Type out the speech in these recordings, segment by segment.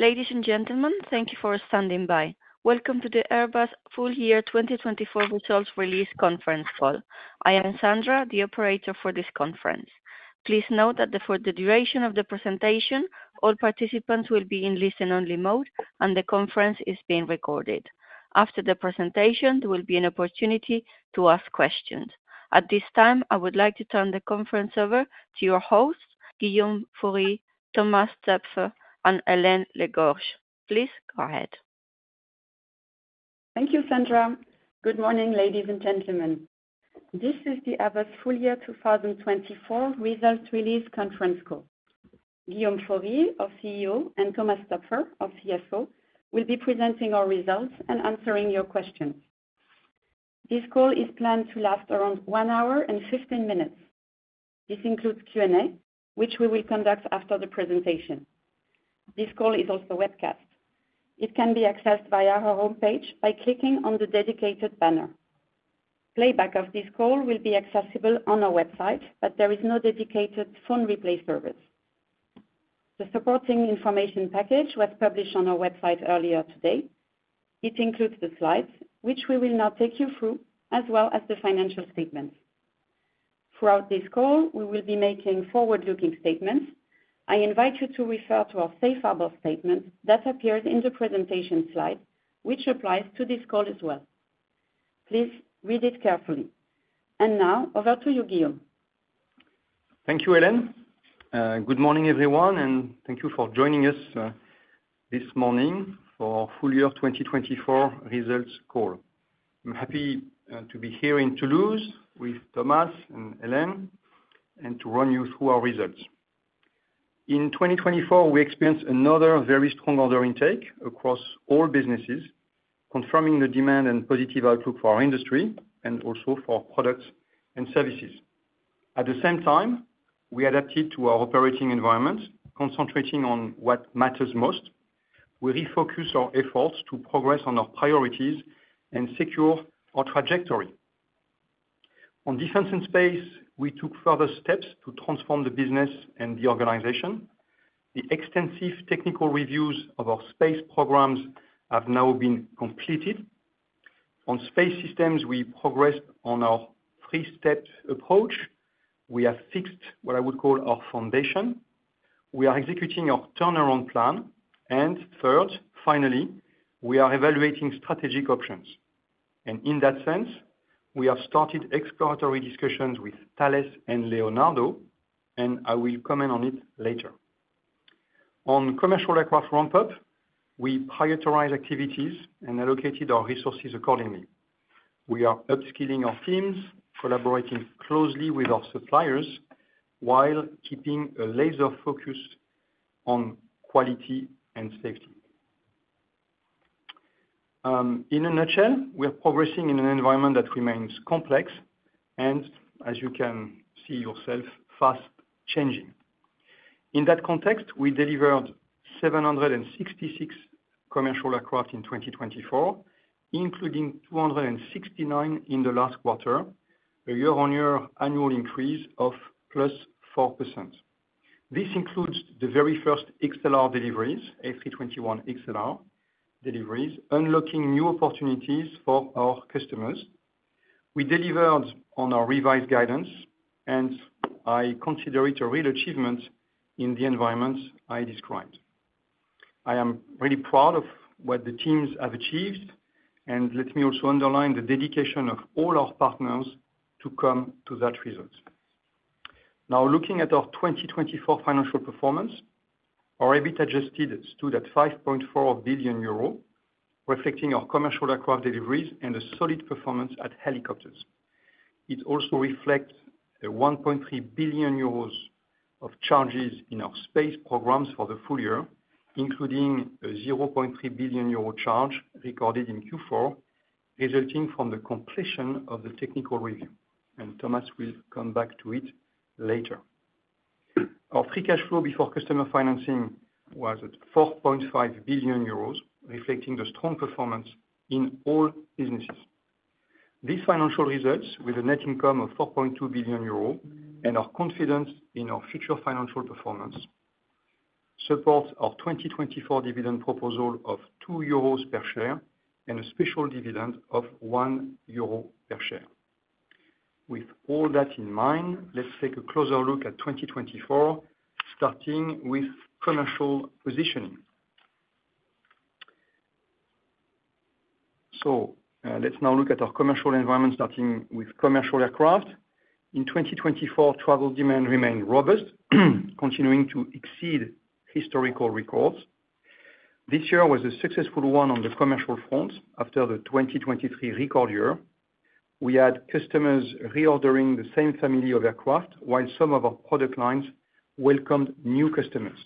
Ladies and gentlemen, thank you for standing by. Welcome to the Airbus Full Year 2024 Results Release Conference Call. I am Sandra, the operator for this conference. Please note that for the duration of the presentation, all participants will be in listen-only mode, and the conference is being recorded. After the presentation, there will be an opportunity to ask questions. At this time, I would like to turn the conference over to your hosts, Guillaume Faury, Thomas Toepfer, and Hélène Le Gorgeu. Please go ahead. Thank you, Sandra. Good morning, ladies and gentlemen. This is the Airbus Full Year 2024 Results Release Conference Call. Guillaume Faury, our CEO, and Thomas Toepfer, our CFO, will be presenting our results and answering your questions. This call is planned to last around one hour and 15 minutes. This includes Q&A, which we will conduct after the presentation. This call is also webcast. It can be accessed via our homepage by clicking on the dedicated banner. Playback of this call will be accessible on our website, but there is no dedicated phone replay service. The supporting information package was published on our website earlier today. It includes the slides, which we will now take you through, as well as the financial statements. Throughout this call, we will be making forward-looking statements. I invite you to refer to our Safe Harbor Statement that appears in the presentation slide, which applies to this call as well. Please read it carefully. And now, over to you, Guillaume. Thank you, Hélène. Good morning, everyone, and thank you for joining us this morning for our full year 2024 results call. I'm happy to be here in Toulouse with Thomas and Hélène and to run you through our results. In 2024, we experienced another very strong order intake across all businesses, confirming the demand and positive outlook for our industry and also for products and services. At the same time, we adapted to our operating environment, concentrating on what matters most. We refocused our efforts to progress on our priorities and secure our trajectory. On Defence and Space, we took further steps to transform the business and the organization. The extensive technical reviews of our space programs have now been completed. On Space Systems, we progressed on our three-step approach. We have fixed what I would call our foundation. We are executing our turnaround plan. Third, finally, we are evaluating strategic options. In that sense, we have started exploratory discussions with Thales and Leonardo, and I will comment on it later. On commercial aircraft ramp-up, we prioritized activities and allocated our resources accordingly. We are upskilling our teams, collaborating closely with our suppliers, while keeping a laser focus on quality and safety. In a nutshell, we are progressing in an environment that remains complex and, as you can see yourself, fast-changing. In that context, we delivered 766 Commercial Aircraft in 2024, including 269 in the last quarter, a year-on-year annual increase of +4%. This includes the very first XLR deliveries, A321XLR deliveries, unlocking new opportunities for our customers. We delivered on our revised guidance, and I consider it a real achievement in the environment I described. I am really proud of what the teams have achieved, and let me also underline the dedication of all our partners to come to that result. Now, looking at our 2024 financial performance, our EBIT adjusted stood at 5.4 billion euro, reflecting our Commercial Aircraft deliveries and a solid performance at Helicopters. It also reflects 1.3 billion euros of charges in our space programs for the full year, including a 0.3 billion euro charge recorded in Q4, resulting from the completion of the technical review, and Thomas will come back to it later. Our free cash flow before customer financing was at 4.5 billion euros, reflecting the strong performance in all businesses. These financial results, with a net income of 4.2 billion euro and our confidence in our future financial performance, support our 2024 dividend proposal of 2 euros per share and a special dividend of 1 euro per share. With all that in mind, let's take a closer look at 2024, starting with commercial positioning. So let's now look at our commercial environment, starting with Commercial Aircraft. In 2024, travel demand remained robust, continuing to exceed historical records. This year was a successful one on the commercial front after the 2023 record year. We had customers reordering the same family of aircraft, while some of our product lines welcomed new customers.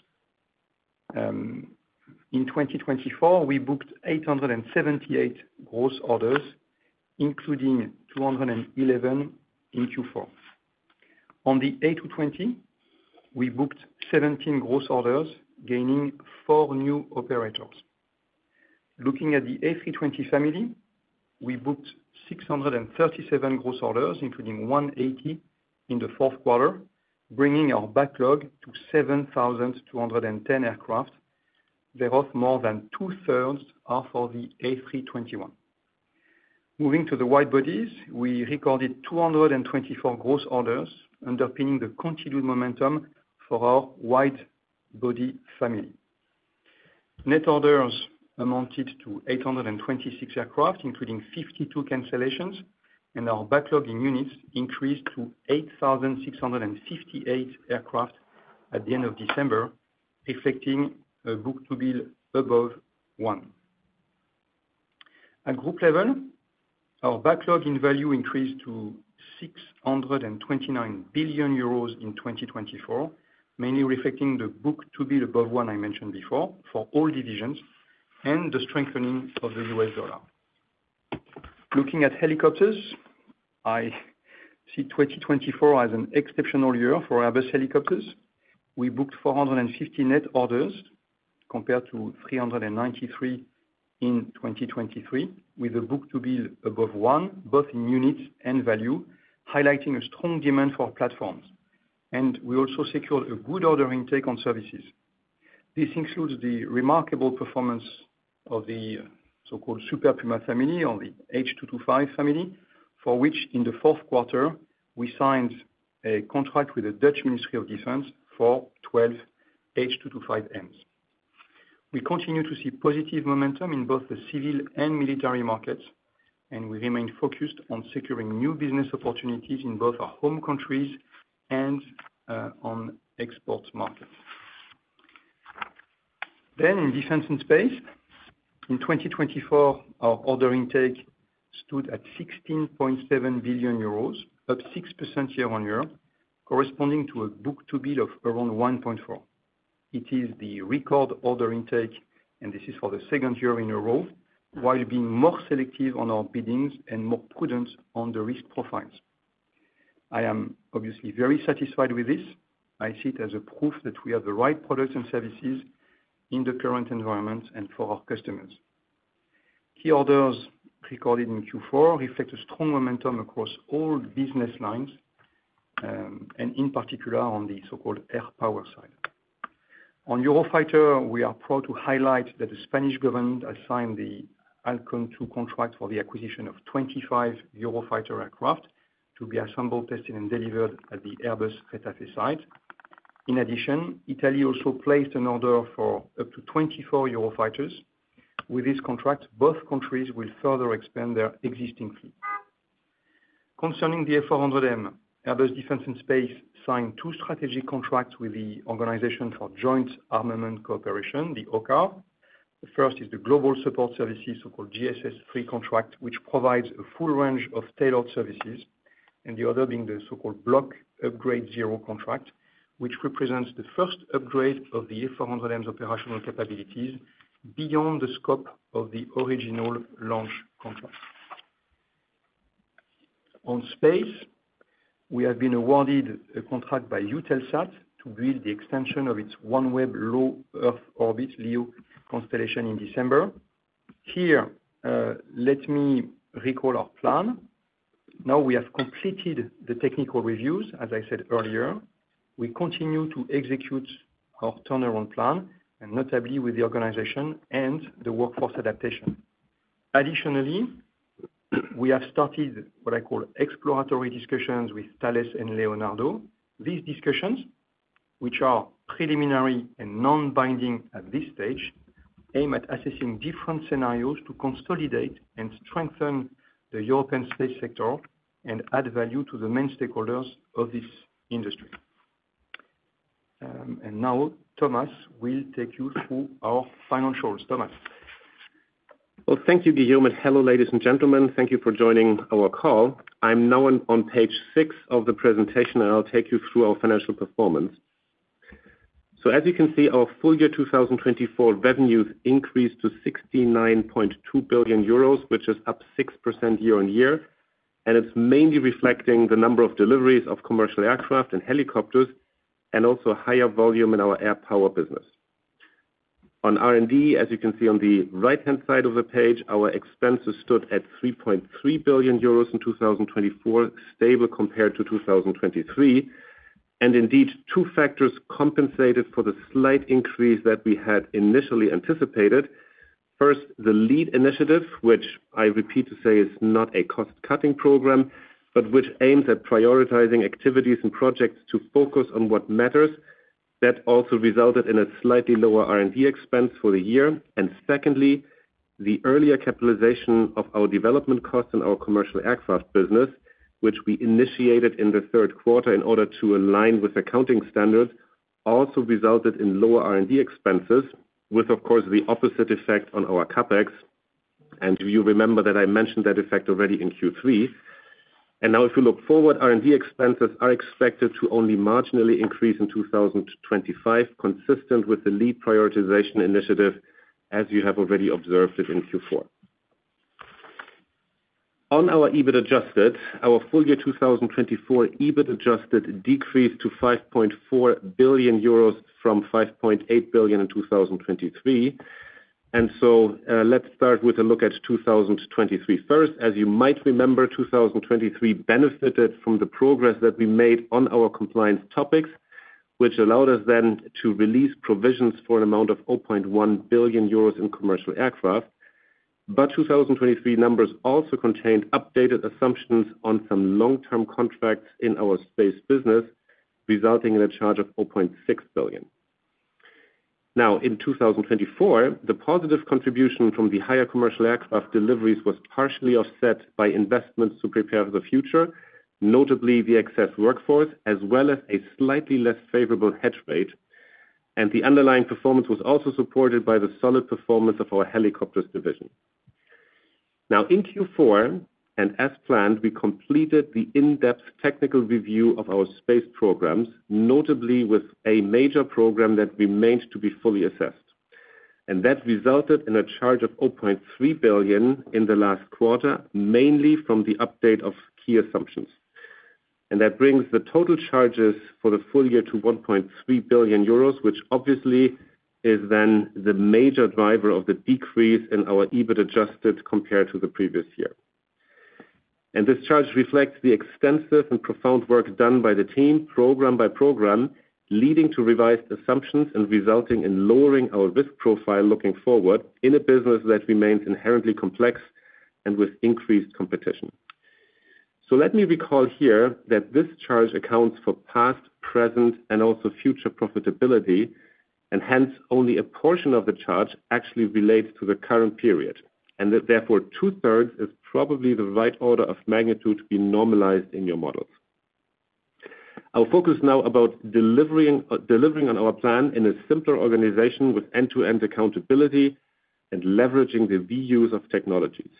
In 2024, we booked 878 gross orders, including 211 in Q4. On the A220, we booked 17 gross orders, gaining four new operators. Looking at the A320 family, we booked 637 gross orders, including 180 in the fourth quarter, bringing our backlog to 7,210 aircraft, thereof more than 2/3 are for the A321. Moving to the wide bodies, we recorded 224 gross orders, underpinning the continued momentum for our wide body family. Net orders amounted to 826 aircraft, including 52 cancellations, and our backlog in units increased to 8,658 aircraft at the end of December, reflecting a book-to-bill above one. At group level, our backlog in value increased to 629 billion euros in 2024, mainly reflecting the book-to-bill above one I mentioned before for all divisions and the strengthening of the U.S. dollar. Looking at Helicopters, I see 2024 as an exceptional year for Airbus Helicopters. We booked 450 net orders compared to 393 in 2023, with a book-to-bill above one, both in units and value, highlighting a strong demand for platforms. And we also secured a good order intake on services. This includes the remarkable performance of the so-called Super Puma family or the H225 family, for which in the fourth quarter, we signed a contract with the Dutch Ministry of Defence for 12 H225Ms. We continue to see positive momentum in both the civil and military markets, and we remain focused on securing new business opportunities in both our home countries and on export markets. Then, in Defence and Space, in 2024, our order intake stood at 16.7 billion euros, up 6% year-on-year, corresponding to a book-to-bill of around 1.4. It is the record order intake, and this is for the second year in a row, while being more selective on our biddings and more prudent on the risk profiles. I am obviously very satisfied with this. I see it as proof that we have the right products and services in the current environment and for our customers. Key orders recorded in Q4 reflect a strong momentum across all business lines, and in particular on the so-called Air Power side. On Eurofighter, we are proud to highlight that the Spanish government has signed the Halcon contract for the acquisition of 25 Eurofighter aircraft to be assembled, tested, and delivered at the Airbus Getafe site. In addition, Italy also placed an order for up to 24 Eurofighters. With this contract, both countries will further expand their existing fleet. Concerning the A400M, Airbus Defence and Space signed two strategic contracts with the Organisation for Joint Armament Co-operation, the OCCAR. The first is the Global Support Services, so-called GSS3 contract, which provides a full range of tailored services, and the other being the so-called Block Upgrade 0 contract, which represents the first upgrade of the A400M's operational capabilities beyond the scope of the original launch contract. On space, we have been awarded a contract by Eutelsat to build the extension of its OneWeb Low Earth Orbit LEO constellation in December. Here, let me recall our plan. Now we have completed the technical reviews, as I said earlier. We continue to execute our turnaround plan, notably with the organization and the workforce adaptation. Additionally, we have started what I call exploratory discussions with Thales and Leonardo. These discussions, which are preliminary and non-binding at this stage, aim at assessing different scenarios to consolidate and strengthen the European space sector and add value to the main stakeholders of this industry. And now, Thomas will take you through our financials. Thomas. Thank you, Guillaume. Hello, ladies and gentlemen. Thank you for joining our call. I'm now on page six of the presentation, and I'll take you through our financial performance. As you can see, our full year 2024 revenues increased to 69.2 billion euros, which is up 6% year-on-year, and it's mainly reflecting the number of deliveries of Commercial Aircraft and Helicopters, and also higher volume in our Air Power business. On R&D, as you can see on the right-hand side of the page, our expenses stood at 3.3 billion euros in 2024, stable compared to 2023. Indeed, two factors compensated for the slight increase that we had initially anticipated. First, the LEAD initiative, which I repeat to say is not a cost-cutting program, but which aims at prioritizing activities and projects to focus on what matters, that also resulted in a slightly lower R&D expense for the year. Secondly, the earlier capitalization of our development costs in our Commercial Aircraft business, which we initiated in the third quarter in order to align with accounting standards, also resulted in lower R&D expenses, with, of course, the opposite effect on our CapEx. And you remember that I mentioned that effect already in Q3. And now, if we look forward, R&D expenses are expected to only marginally increase in 2025, consistent with the LEAD prioritization initiative, as you have already observed it in Q4. On our EBIT adjusted, our full year 2024 EBIT adjusted decreased to 5.4 billion euros from 5.8 billion in 2023. And so let's start with a look at 2023 first. As you might remember, 2023 benefited from the progress that we made on our compliance topics, which allowed us then to release provisions for an amount of 0.1 billion euros in Commercial Aircraft. But 2023 numbers also contained updated assumptions on some long-term contracts in our space business, resulting in a charge of 0.6 billion. Now, in 2024, the positive contribution from the higher Commercial Aircraft deliveries was partially offset by investments to prepare for the future, notably the excess workforce, as well as a slightly less favorable hedge rate. And the underlying performance was also supported by the solid performance of our Helicopters division. Now, in Q4, and as planned, we completed the in-depth technical review of our space programs, notably with a major program that remained to be fully assessed. And that resulted in a charge of 0.3 billion in the last quarter, mainly from the update of key assumptions. That brings the total charges for the full year to 1.3 billion euros, which obviously is then the major driver of the decrease in our EBIT adjusted compared to the previous year. And this charge reflects the extensive and profound work done by the team, program by program, leading to revised assumptions and resulting in lowering our risk profile looking forward in a business that remains inherently complex and with increased competition. So let me recall here that this charge accounts for past, present, and also future profitability, and hence only a portion of the charge actually relates to the current period. And therefore, 2/3 is probably the right order of magnitude to be normalized in your models. I'll focus now about delivering on our plan in a simpler organization with end-to-end accountability and leveraging the reuse of technologies.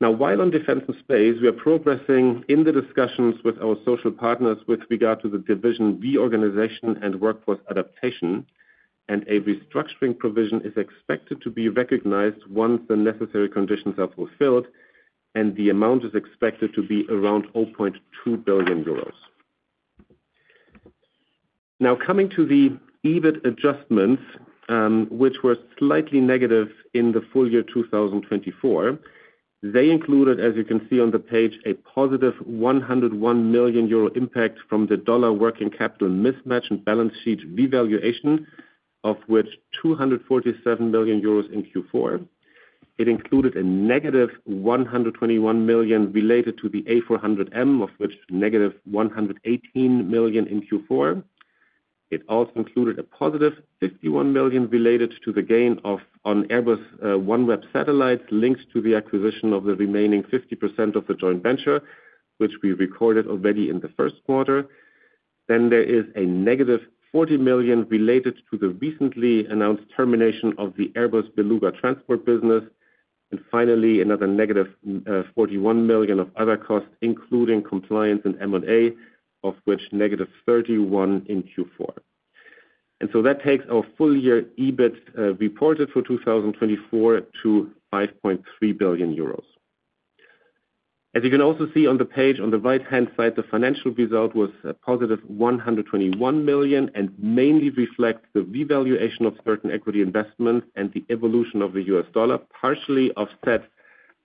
Now, while on Defence and Space, we are progressing in the discussions with our social partners with regard to the division reorganization and workforce adaptation, and a restructuring provision is expected to be recognized once the necessary conditions are fulfilled, and the amount is expected to be around 0.2 billion euros. Now, coming to the EBIT adjustments, which were slightly negative in the full year 2024, they included, as you can see on the page, a +101 million euro impact from the dollar working capital mismatch and balance sheet revaluation, of which 247 million euros in Q4. It included a -121 million related to the A400M, of which -118 million in Q4. It also included a +51 million related to the gain on Airbus OneWeb Satellites linked to the acquisition of the remaining 50% of the joint venture, which we recorded already in the first quarter. Then there is a -40 million related to the recently announced termination of the Airbus Beluga Transport business. And finally, another -41 million of other costs, including compliance and M&A, of which -31 million in Q4. And so that takes our full year EBIT reported for 2024 to 5.3 billion euros. As you can also see on the page, on the right-hand side, the financial result was a +121 million and mainly reflects the revaluation of certain equity investments and the evolution of the U.S. dollar, partially offset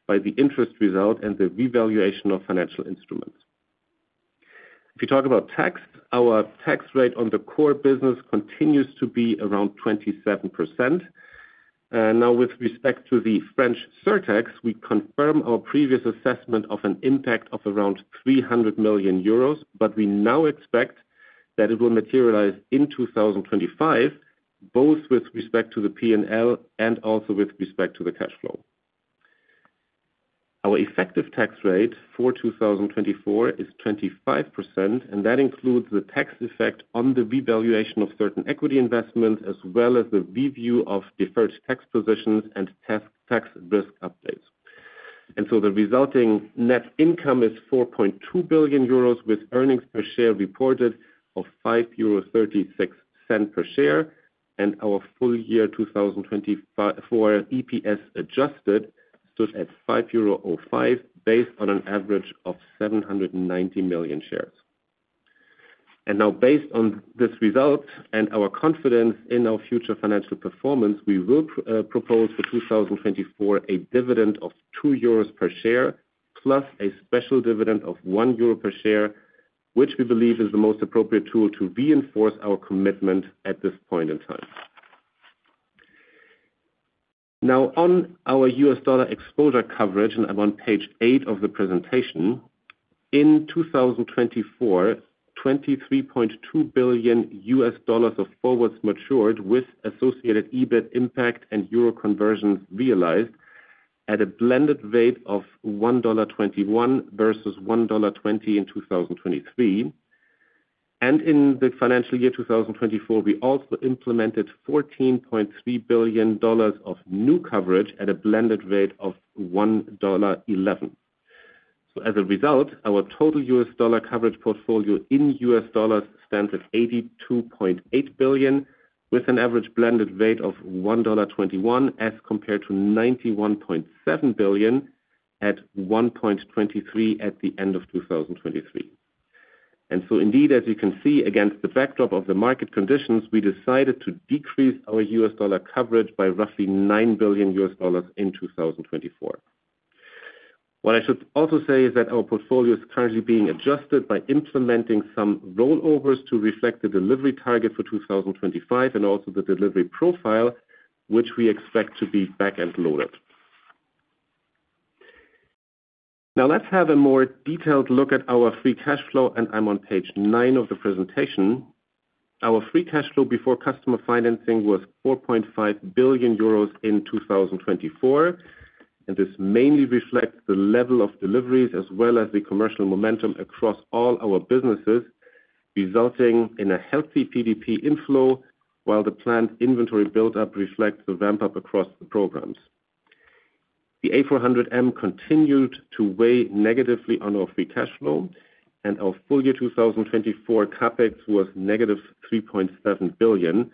by the interest result and the revaluation of financial instruments. If you talk about tax, our tax rate on the core business continues to be around 27%. Now, with respect to the French surtax, we confirm our previous assessment of an impact of around 300 million euros, but we now expect that it will materialize in 2025, both with respect to the P&L and also with respect to the cash flow. Our effective tax rate for 2024 is 25%, and that includes the tax effect on the revaluation of certain equity investments, as well as the review of deferred tax positions and tax risk updates. And so the resulting net income is 4.2 billion euros, with earnings per share reported of 5.36 euros per share. And our full year 2024 EPS adjusted stood at 5.05 euro, based on an average of 790 million shares. Now, based on this result and our confidence in our future financial performance, we will propose for 2024 a dividend of 2 euros per share, plus a special dividend of 1 euro per share, which we believe is the most appropriate tool to reinforce our commitment at this point in time. Now, on our U.S. dollar exposure coverage, and I'm on page eight of the presentation, in 2024, $ 23.2 billion of forwards matured with associated EBIT impact and euro conversions realized at a blended rate of $1.21 versus $1.20 in 2023. In the financial year 2024, we also implemented $14.3 billion of new coverage at a blended rate of $1.11. As a result, our total U.S. dollar coverage portfolio in U.S. dollars stands at $82.8 billion, with an average blended rate of $1.21, as compared to $91.7 billion at $1.23 at the end of 2023. And so, indeed, as you can see, against the backdrop of the market conditions, we decided to decrease our U.S. dollar coverage by roughly $9 billion in 2024. What I should also say is that our portfolio is currently being adjusted by implementing some rollovers to reflect the delivery target for 2025 and also the delivery profile, which we expect to be back-loaded. Now, let's have a more detailed look at our free cash flow, and I'm on page nine of the presentation. Our free cash flow before customer financing was 4.5 billion euros in 2024, and this mainly reflects the level of deliveries as well as the commercial momentum across all our businesses, resulting in a healthy PDP inflow, while the planned inventory build-up reflects the ramp-up across the programs. The A400M continued to weigh negatively on our free cash flow, and our full year 2024 CapEx was -3.7 billion,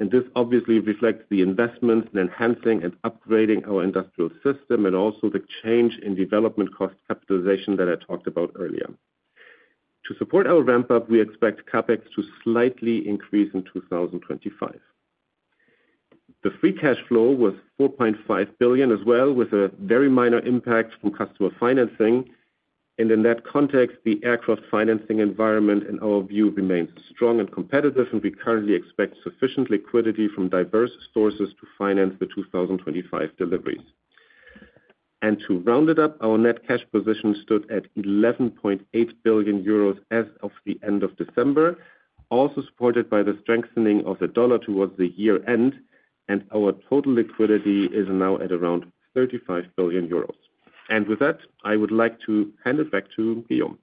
and this obviously reflects the investments in enhancing and upgrading our industrial system and also the change in development cost capitalization that I talked about earlier. To support our ramp-up, we expect CapEx to slightly increase in 2025. The free cash flow was 4.5 billion as well, with a very minor impact from customer financing, and in that context, the aircraft financing environment, in our view, remains strong and competitive, and we currently expect sufficient liquidity from diverse sources to finance the 2025 deliveries, to round it up, our net cash position stood at 11.8 billion euros as of the end of December, also supported by the strengthening of the dollar towards the year-end, and our total liquidity is now at around 35 billion euros. With that, I would like to hand it back to Guillaume.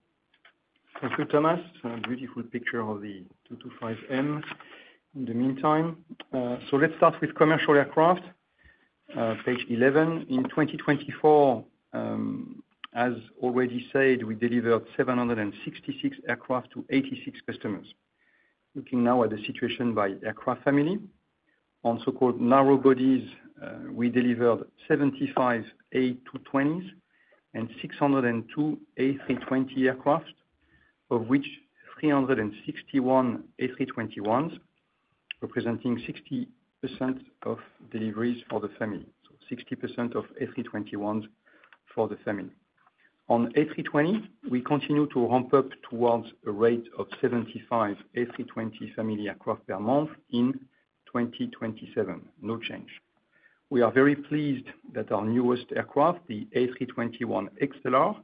Thank you, Thomas. A beautiful picture of the H225M in the meantime. So let's start with Commercial Aircraft, page 11. In 2024, as already said, we delivered 766 aircraft to 86 customers. Looking now at the situation by aircraft family, on so-called narrow-body, we delivered 75 A220s and 602 A320 aircraft, of which 361 A321s representing 60% of deliveries for the family, so 60% of A321s for the family. On A320, we continue to ramp up towards a rate of 75 A320 family aircraft per month in 2027, no change. We are very pleased that our newest aircraft, the A321XLR,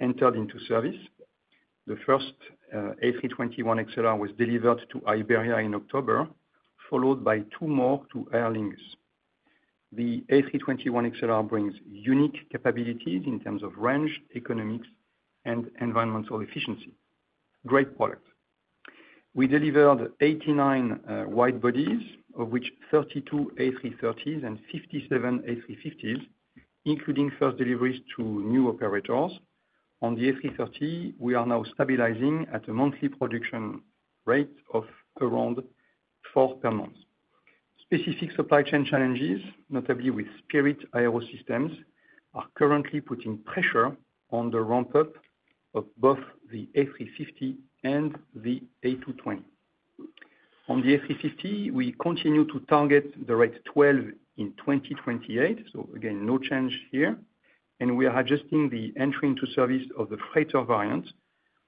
entered into service. The first A321XLR was delivered to Iberia in October, followed by two more to Aer Lingus. The A321XLR brings unique capabilities in terms of range, economics, and environmental efficiency. Great product. We delivered 89 wide bodies, of which 32 A330s and 57 A350s, including first deliveries to new operators. On the A330, we are now stabilizing at a monthly production rate of around four per month. Specific supply chain challenges, notably with Spirit AeroSystems, are currently putting pressure on the ramp-up of both the A350 and the A220. On the A350, we continue to target the rate 12 in 2028, so again, no change here, and we are adjusting the entry into service of the freighter variant,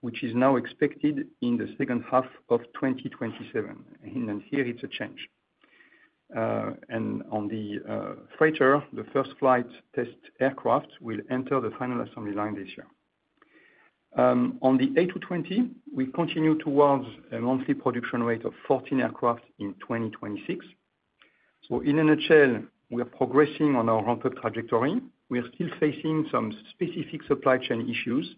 which is now expected in the second half of 2027, and here, it's a change, and on the freighter, the first flight test aircraft will enter the final assembly line this year. On the A220, we continue towards a monthly production rate of 14 aircraft in 2026, so in a nutshell, we are progressing on our ramp-up trajectory. We are still facing some specific supply chain issues.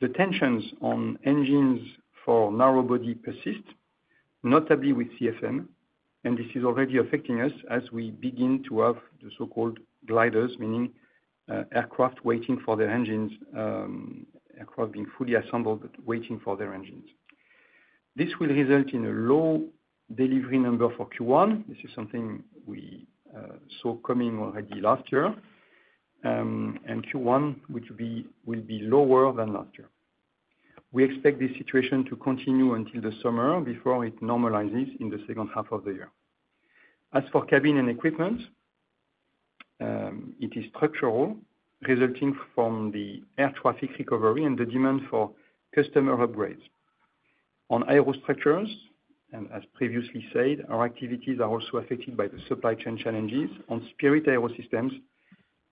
The tensions on engines for narrow-body persist, notably with CFM, and this is already affecting us as we begin to have the so-called gliders, meaning aircraft waiting for their engines, aircraft being fully assembled, but waiting for their engines. This will result in a low delivery number for Q1. This is something we saw coming already last year, and Q1 will be lower than last year. We expect this situation to continue until the summer before it normalizes in the second half of the year. As for cabin and equipment, it is structural, resulting from the air traffic recovery and the demand for customer upgrades. On Aerostructures, and as previously said, our activities are also affected by the supply chain challenges. On Spirit AeroSystems,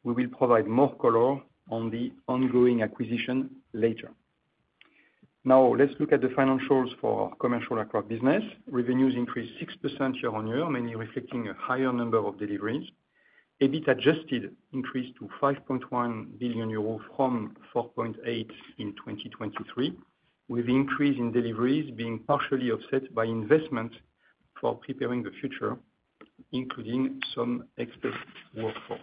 we will provide more color on the ongoing acquisition later. Now, let's look at the financials for our Commercial Aircraft business. Revenues increased 6% year on year, mainly reflecting a higher number of deliveries. EBIT adjusted increased to 5.1 billion euro from 4.8 in 2023, with the increase in deliveries being partially offset by investments for preparing the future, including some expert workforce.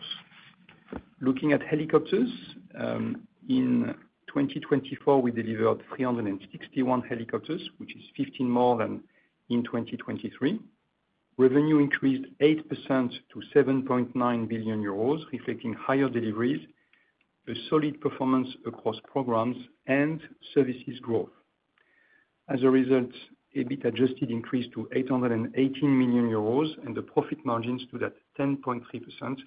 Looking at Helicopters, in 2024, we delivered 361 helicopters, which is 15 more than in 2023. Revenue increased 8% to 7.9 billion euros, reflecting higher deliveries, a solid performance across programs and services growth. As a result, EBIT adjusted increased to 818 million euros, and the profit margins stood at 10.3%,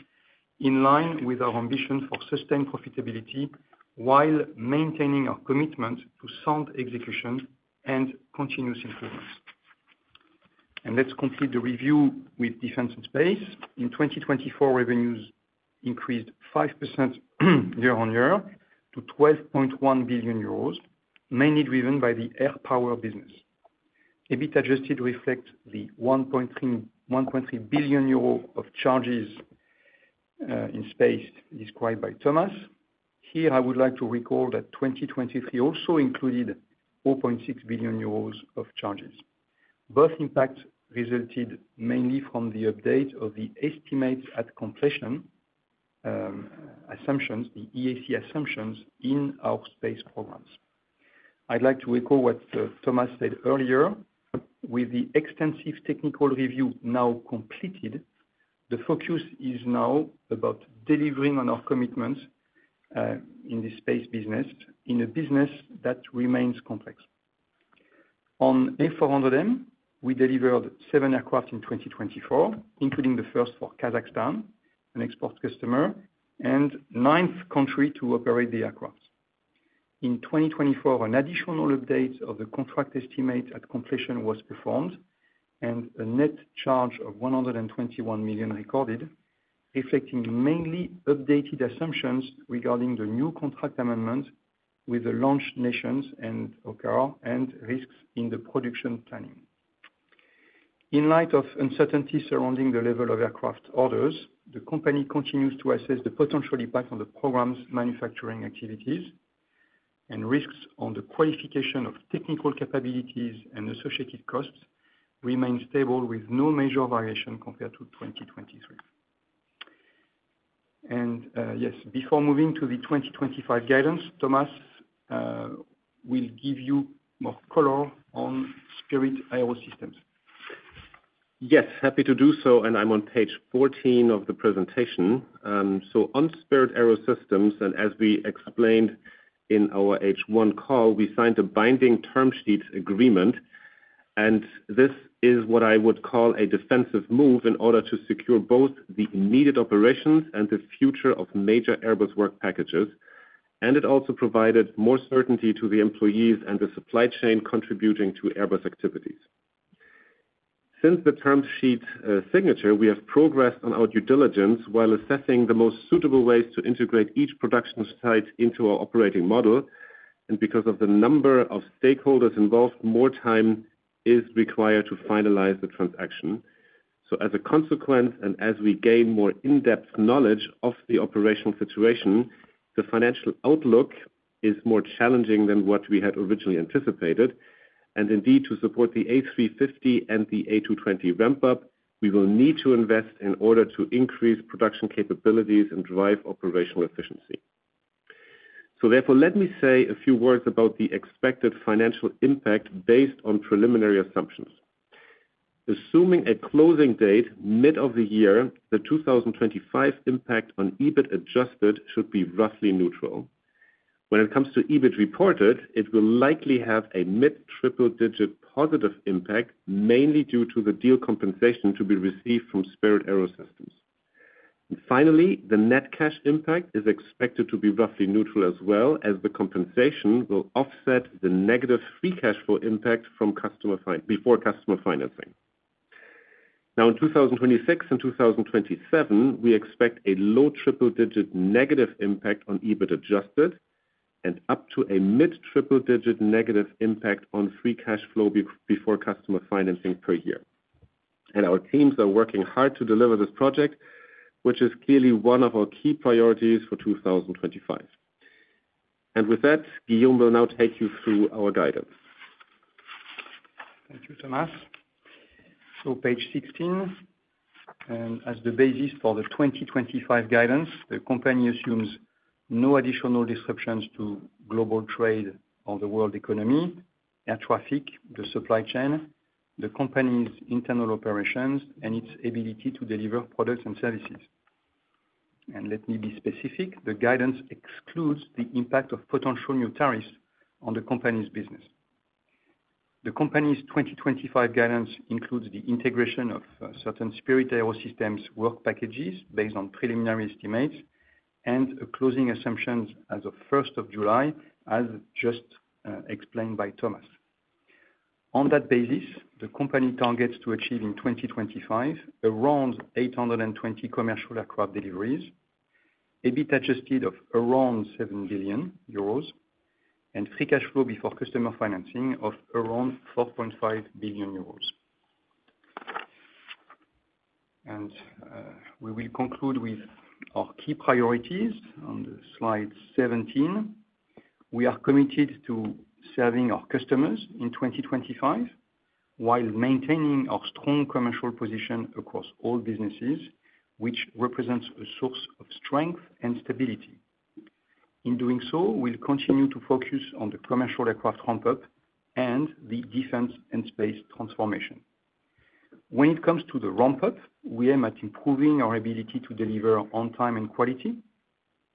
in line with our ambition for sustained profitability while maintaining our commitment to sound execution and continuous improvements. And let's complete the review with Defence and Space. In 2024, revenues increased 5% year on year to 12.1 billion euros, mainly driven by the Air Power business. EBIT adjusted reflects the 1.3 billion euro of charges in space described by Thomas. Here, I would like to recall that 2023 also included 4.6 billion euros of charges. Both impacts resulted mainly from the update of the estimates at completion assumptions, the EAC assumptions in our space programs. I'd like to echo what Thomas said earlier. With the extensive technical review now completed, the focus is now about delivering on our commitments in the space business, in a business that remains complex. On A400M, we delivered seven aircraft in 2024, including the first for Kazakhstan, an export customer, and the ninth country to operate the aircraft. In 2024, an additional update of the contract estimate at completion was performed, and a net charge of 121 million recorded, reflecting mainly updated assumptions regarding the new contract amendment with the launch nations and risks in the production planning. In light of uncertainty surrounding the level of aircraft orders, the company continues to assess the potential impact on the program's manufacturing activities, and risks on the qualification of technical capabilities and associated costs remain stable with no major variation compared to 2023, and yes, before moving to the 2025 guidance, Thomas will give you more color on Spirit AeroSystems. Yes, happy to do so, and I'm on page 14 of the presentation, so on Spirit AeroSystems, and as we explained in our H1 call, we signed a binding term sheet agreement, and this is what I would call a defensive move in order to secure both the immediate operations and the future of major Airbus work packages, and it also provided more certainty to the employees and the supply chain contributing to Airbus activities. Since the term sheet signature, we have progressed on our due diligence while assessing the most suitable ways to integrate each production site into our operating model, and because of the number of stakeholders involved, more time is required to finalize the transaction, so as a consequence, and as we gain more in-depth knowledge of the operational situation, the financial outlook is more challenging than what we had originally anticipated. Indeed, to support the A350 and the A220 ramp-up, we will need to invest in order to increase production capabilities and drive operational efficiency. So therefore, let me say a few words about the expected financial impact based on preliminary assumptions. Assuming a closing date mid of the year, the 2025 impact on EBIT adjusted should be roughly neutral. When it comes to EBIT reported, it will likely have a mid-triple digit positive impact, mainly due to the deal compensation to be received from Spirit AeroSystems. And finally, the net cash impact is expected to be roughly neutral as well, as the compensation will offset the negative free cash flow impact before customer financing. Now, in 2026 and 2027, we expect a low triple digit negative impact on EBIT adjusted and up to a mid-triple digit negative impact on free cash flow before customer financing per year. Our teams are working hard to deliver this project, which is clearly one of our key priorities for 2025. With that, Guillaume will now take you through our guidance. Thank you, Thomas. Page 16, and as the basis for the 2025 guidance, the company assumes no additional disruptions to global trade or the world economy, air traffic, the supply chain, the company's internal operations, and its ability to deliver products and services. Let me be specific, the guidance excludes the impact of potential new tariffs on the company's business. The company's 2025 guidance includes the integration of certain Spirit AeroSystems work packages based on preliminary estimates and closing assumptions as of 1 July, as just explained by Thomas. On that basis, the company targets to achieve in 2025 around 820 Commercial Aircraft deliveries, EBIT adjusted of around 7 billion euros, and free cash flow before customer financing of around 4.5 billion euros. We will conclude with our key priorities on slide 17. We are committed to serving our customers in 2025 while maintaining our strong commercial position across all businesses, which represents a source of strength and stability. In doing so, we'll continue to focus on the Commercial Aircraft ramp-up and the Defence and Space transformation. When it comes to the ramp-up, we aim at improving our ability to deliver on time and quality.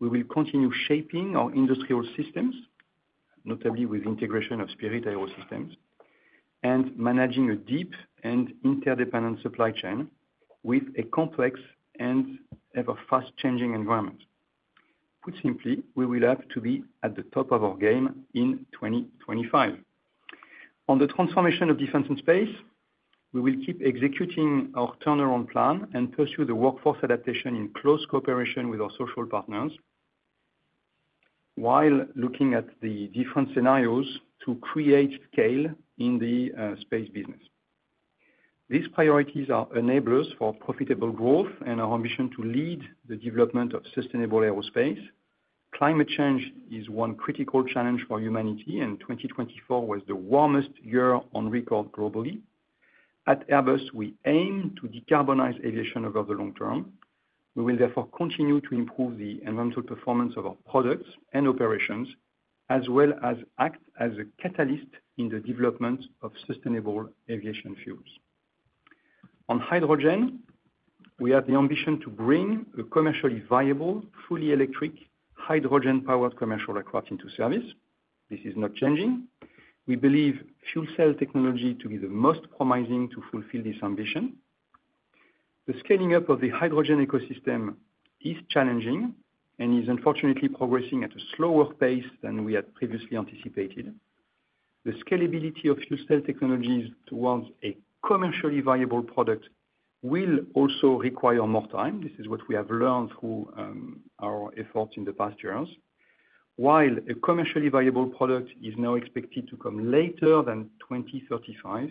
We will continue shaping our industrial systems, notably with the integration of Spirit AeroSystems, and managing a deep and interdependent supply chain with a complex and ever-fast-changing environment. Put simply, we will have to be at the top of our game in 2025. On the transformation of Defence and Space, we will keep executing our turnaround plan and pursue the workforce adaptation in close cooperation with our social partners while looking at the different scenarios to create scale in the space business. These priorities are enablers for profitable growth and our ambition to lead the development of sustainable aerospace. Climate change is one critical challenge for humanity, and 2024 was the warmest year on record globally. At Airbus, we aim to decarbonize aviation over the long term. We will therefore continue to improve the environmental performance of our products and operations, as well as act as a catalyst in the development of sustainable aviation fuels. On hydrogen, we have the ambition to bring a commercially viable, fully electric, hydrogen-powered Commercial Aircraft into service. This is not changing. We believe fuel cell technology to be the most promising to fulfill this ambition. The scaling up of the hydrogen ecosystem is challenging and is unfortunately progressing at a slower pace than we had previously anticipated. The scalability of fuel cell technologies towards a commercially viable product will also require more time. This is what we have learned through our efforts in the past years. While a commercially viable product is now expected to come later than 2035,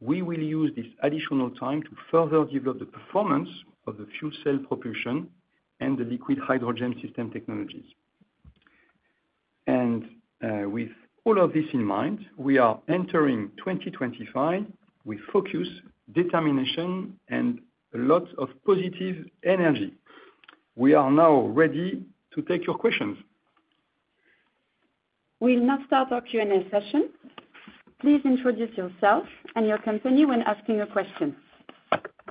we will use this additional time to further develop the performance of the fuel cell propulsion and the liquid hydrogen system technologies. And with all of this in mind, we are entering 2025 with focus, determination, and a lot of positive energy. We are now ready to take your questions. We'll now start our Q&A session. Please introduce yourself and your company when asking a question.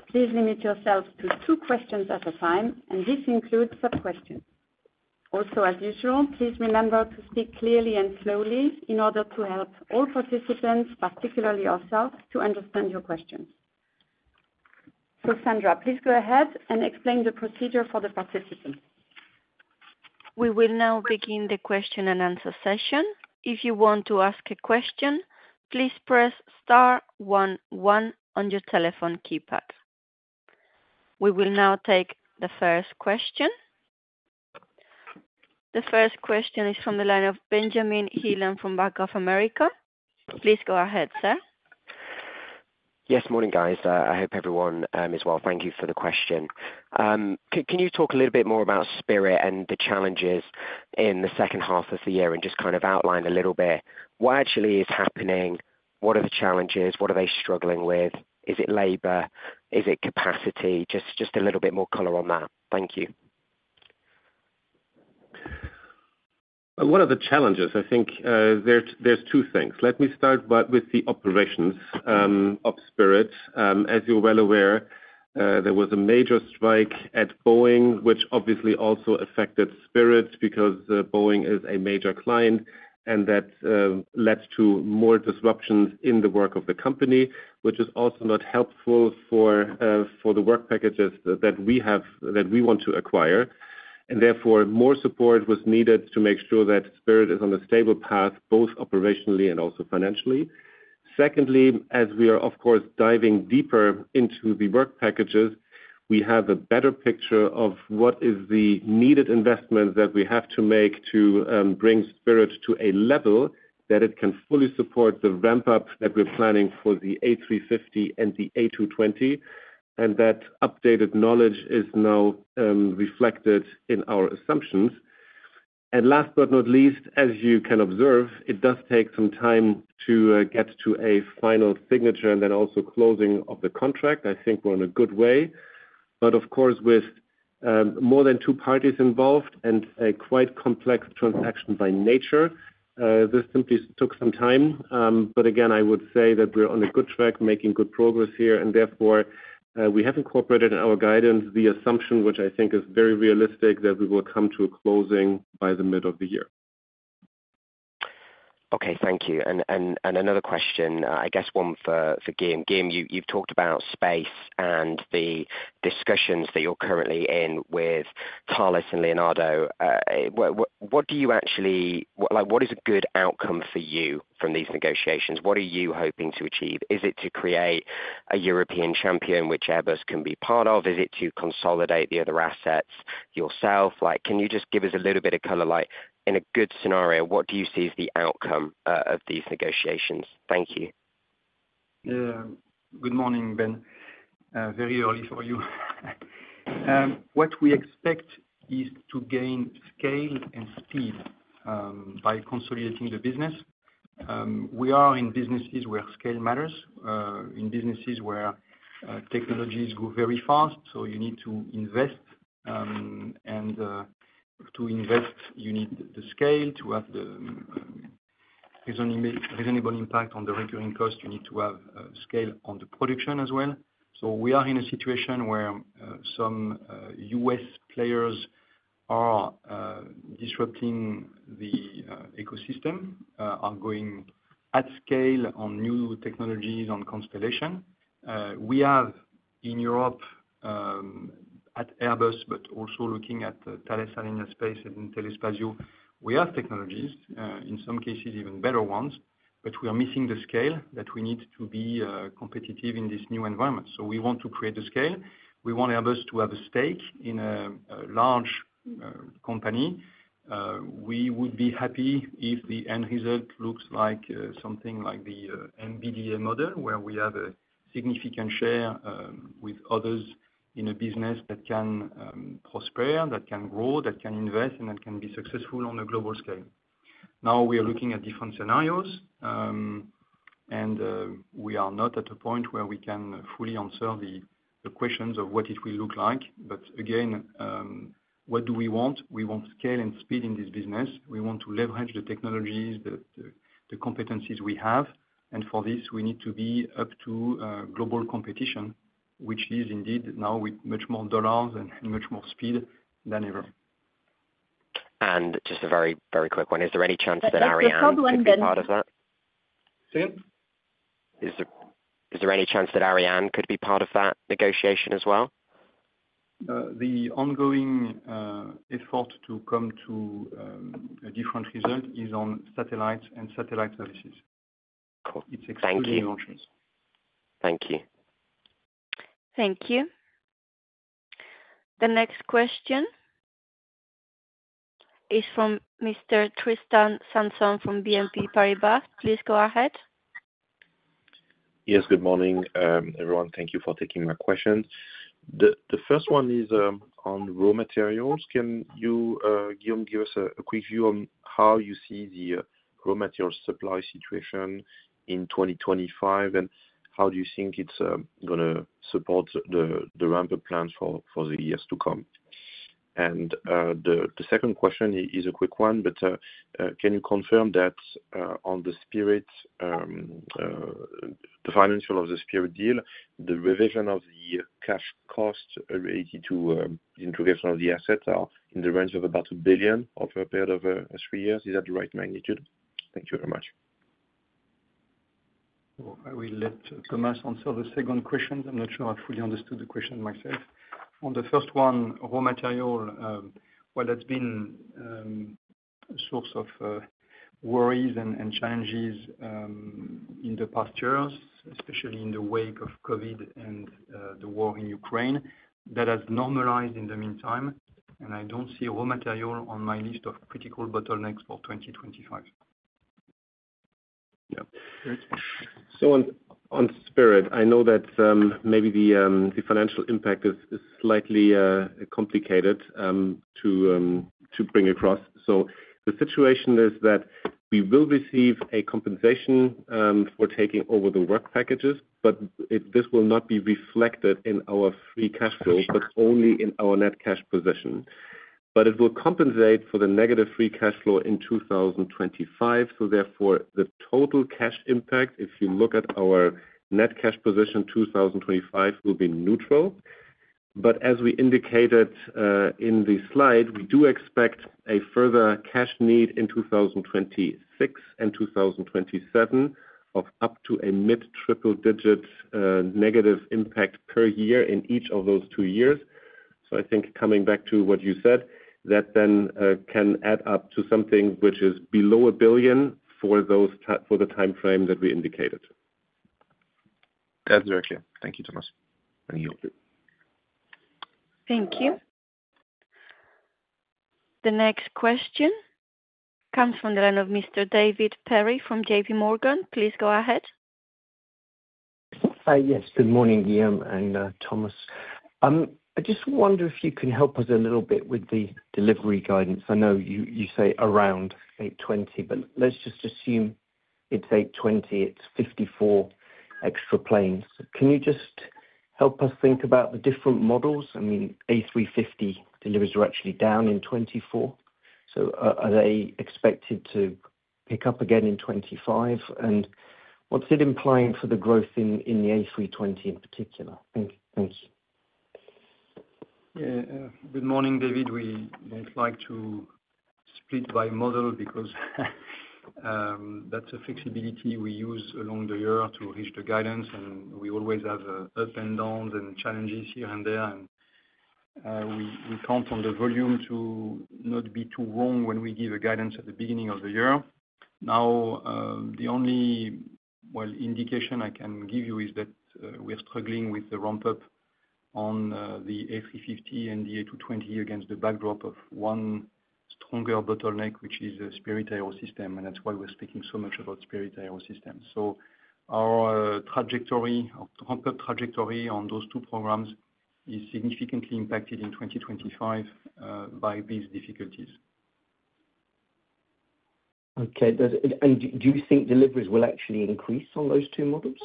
Please limit yourself to two questions at a time, and this includes sub-questions. Also, as usual, please remember to speak clearly and slowly in order to help all participants, particularly yourself, to understand your questions. So, Sandra, please go ahead and explain the procedure for the participants. We will now begin the question and answer session. If you want to ask a question, please press star one one on your telephone keypad. We will now take the first question. The first question is from the line of Benjamin Heelan from Bank of America. Please go ahead, sir. Yes, morning, guys. I hope everyone is well. Thank you for the question. Can you talk a little bit more about Spirit and the challenges in the second half of the year and just kind of outline a little bit what actually is happening? What are the challenges? What are they struggling with? Is it labor? Is it capacity? Just a little bit more color on that. Thank you. What are the challenges? I think there's two things. Let me start with the operations of Spirit. As you're well aware, there was a major strike at Boeing, which obviously also affected Spirit because Boeing is a major client, and that led to more disruptions in the work of the company, which is also not helpful for the work packages that we want to acquire. And therefore, more support was needed to make sure that Spirit is on a stable path, both operationally and also financially. Secondly, as we are, of course, diving deeper into the work packages, we have a better picture of what is the needed investment that we have to make to bring Spirit to a level that it can fully support the ramp-up that we're planning for the A350 and the A220, and that updated knowledge is now reflected in our assumptions. Last but not least, as you can observe, it does take some time to get to a final signature and then also closing of the contract. I think we're on a good way. But of course, with more than two parties involved and a quite complex transaction by nature, this simply took some time. But again, I would say that we're on a good track, making good progress here, and therefore, we have incorporated in our guidance the assumption, which I think is very realistic, that we will come to a closing by the middle of the year. Okay, thank you. And another question, I guess one for Guillaume. Guillaume, you've talked about space and the discussions that you're currently in with Thales and Leonardo. What do you actually—what is a good outcome for you from these negotiations? What are you hoping to achieve? Is it to create a European champion which Airbus can be part of? Is it to consolidate the other assets yourself? Can you just give us a little bit of color? In a good scenario, what do you see as the outcome of these negotiations? Thank you. Good morning, Ben. Very early for you. What we expect is to gain scale and speed by consolidating the business. We are in businesses where scale matters. In businesses where technologies go very fast, so you need to invest. And to invest, you need the scale to have the reasonable impact on the recurring cost. You need to have scale on the production as well. So we are in a situation where some U.S. players are disrupting the ecosystem, are going at scale on new technologies on constellation. We have in Europe at Airbus, but also looking at Thales Alenia Space and Telespazio, we have technologies, in some cases even better ones, but we are missing the scale that we need to be competitive in this new environment. So we want to create the scale. We want Airbus to have a stake in a large company. We would be happy if the end result looks like something like the MBDA model, where we have a significant share with others in a business that can prosper, that can grow, that can invest, and that can be successful on a global scale. Now we are looking at different scenarios, and we are not at a point where we can fully answer the questions of what it will look like. But again, what do we want? We want scale and speed in this business. We want to leverage the technologies, the competencies we have. And for this, we need to be up to global competition, which is indeed now with much more dollars and much more speed than ever. Just a very, very quick one. Is there any chance that Ariane could be part of that? Say again? Is there any chance that Ariane could be part of that negotiation as well? The ongoing effort to come to a different result is on satellites and satellite services. It's extremely urgent. Thank you. Thank you. The next question is from Mr. Tristan Sanson from BNP Paribas. Please go ahead. Yes, good morning, everyone. Thank you for taking my question. The first one is on raw materials. Can you, Guillaume, give us a quick view on how you see the raw material supply situation in 2025, and how do you think it's going to support the ramp-up plan for the years to come? And the second question is a quick one, but can you confirm that on the Spirit, the financial of the Spirit deal, the revision of the cash cost related to the integration of the assets are in the range of about 1 billion over a period of three years? Is that the right magnitude? Thank you very much. I will let Thomas answer the second question. I'm not sure I fully understood the question myself. On the first one, raw material, well, that's been a source of worries and challenges in the past years, especially in the wake of COVID and the war in Ukraine. That has normalized in the meantime, and I don't see raw material on my list of critical bottlenecks for 2025. Yeah. So on Spirit, I know that maybe the financial impact is slightly complicated to bring across. So the situation is that we will receive a compensation for taking over the work packages, but this will not be reflected in our free cash flow, but only in our net cash position. But it will compensate for the negative free cash flow in 2025. So therefore, the total cash impact, if you look at our net cash position, 2025 will be neutral. But as we indicated in the slide, we do expect a further cash need in 2026 and 2027 of up to a mid-triple-digit negative impact per year in each of those two years. So I think coming back to what you said, that then can add up to something which is below a billion for the timeframe that we indicated. That's very clear. Thank you, Thomas. Thank you. Thank you. The next question comes from the line of Mr. David Perry from JPMorgan. Please go ahead. Hi, yes. Good morning, Guillaume and Thomas. I just wonder if you can help us a little bit with the delivery guidance. I know you say around 820, but let's just assume it's 820. It's 54 extra planes. Can you just help us think about the different models? I mean, A350 deliveries are actually down in 2024. So are they expected to pick up again in 2025? And what's it implying for the growth in the A320 in particular? Thank you. Good morning, David. We don't like to split by model because that's a flexibility we use along the year to reach the guidance, and we always have ups and downs and challenges here and there, and we count on the volume to not be too wrong when we give a guidance at the beginning of the year. Now, the only indication I can give you is that we're struggling with the ramp-up on the A350 and the A220 against the backdrop of one stronger bottleneck, which is Spirit AeroSystems, and that's why we're speaking so much about Spirit AeroSystems, so our trajectory, our ramp-up trajectory on those two programs is significantly impacted in 2025 by these difficulties. Okay, and do you think deliveries will actually increase on those two models?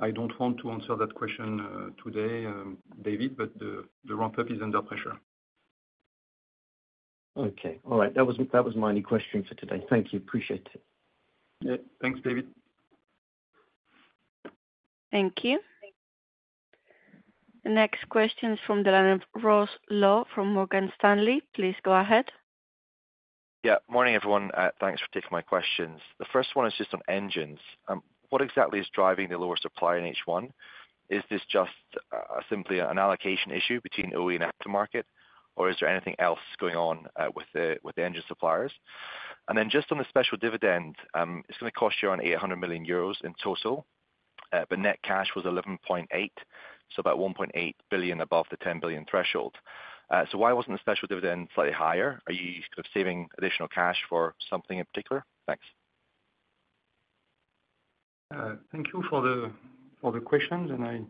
I don't want to answer that question today, David, but the ramp-up is under pressure. Okay. All right. That was my only question for today. Thank you. Appreciate it. Thanks, David. Thank you. The next question is from the line of Ross Law from Morgan Stanley. Please go ahead. Yeah. Morning, everyone. Thanks for taking my questions. The first one is just on engines. What exactly is driving the lower supply in each one? Is this just simply an allocation issue between OE and aftermarket, or is there anything else going on with the engine suppliers? And then just on the special dividend, it's going to cost you around 800 million euros in total, but net cash was 11.8 billion, so about 1.8 billion above the 10 billion threshold. So why wasn't the special dividend slightly higher? Are you sort of saving additional cash for something in particular? Thanks. Thank you for the questions, and I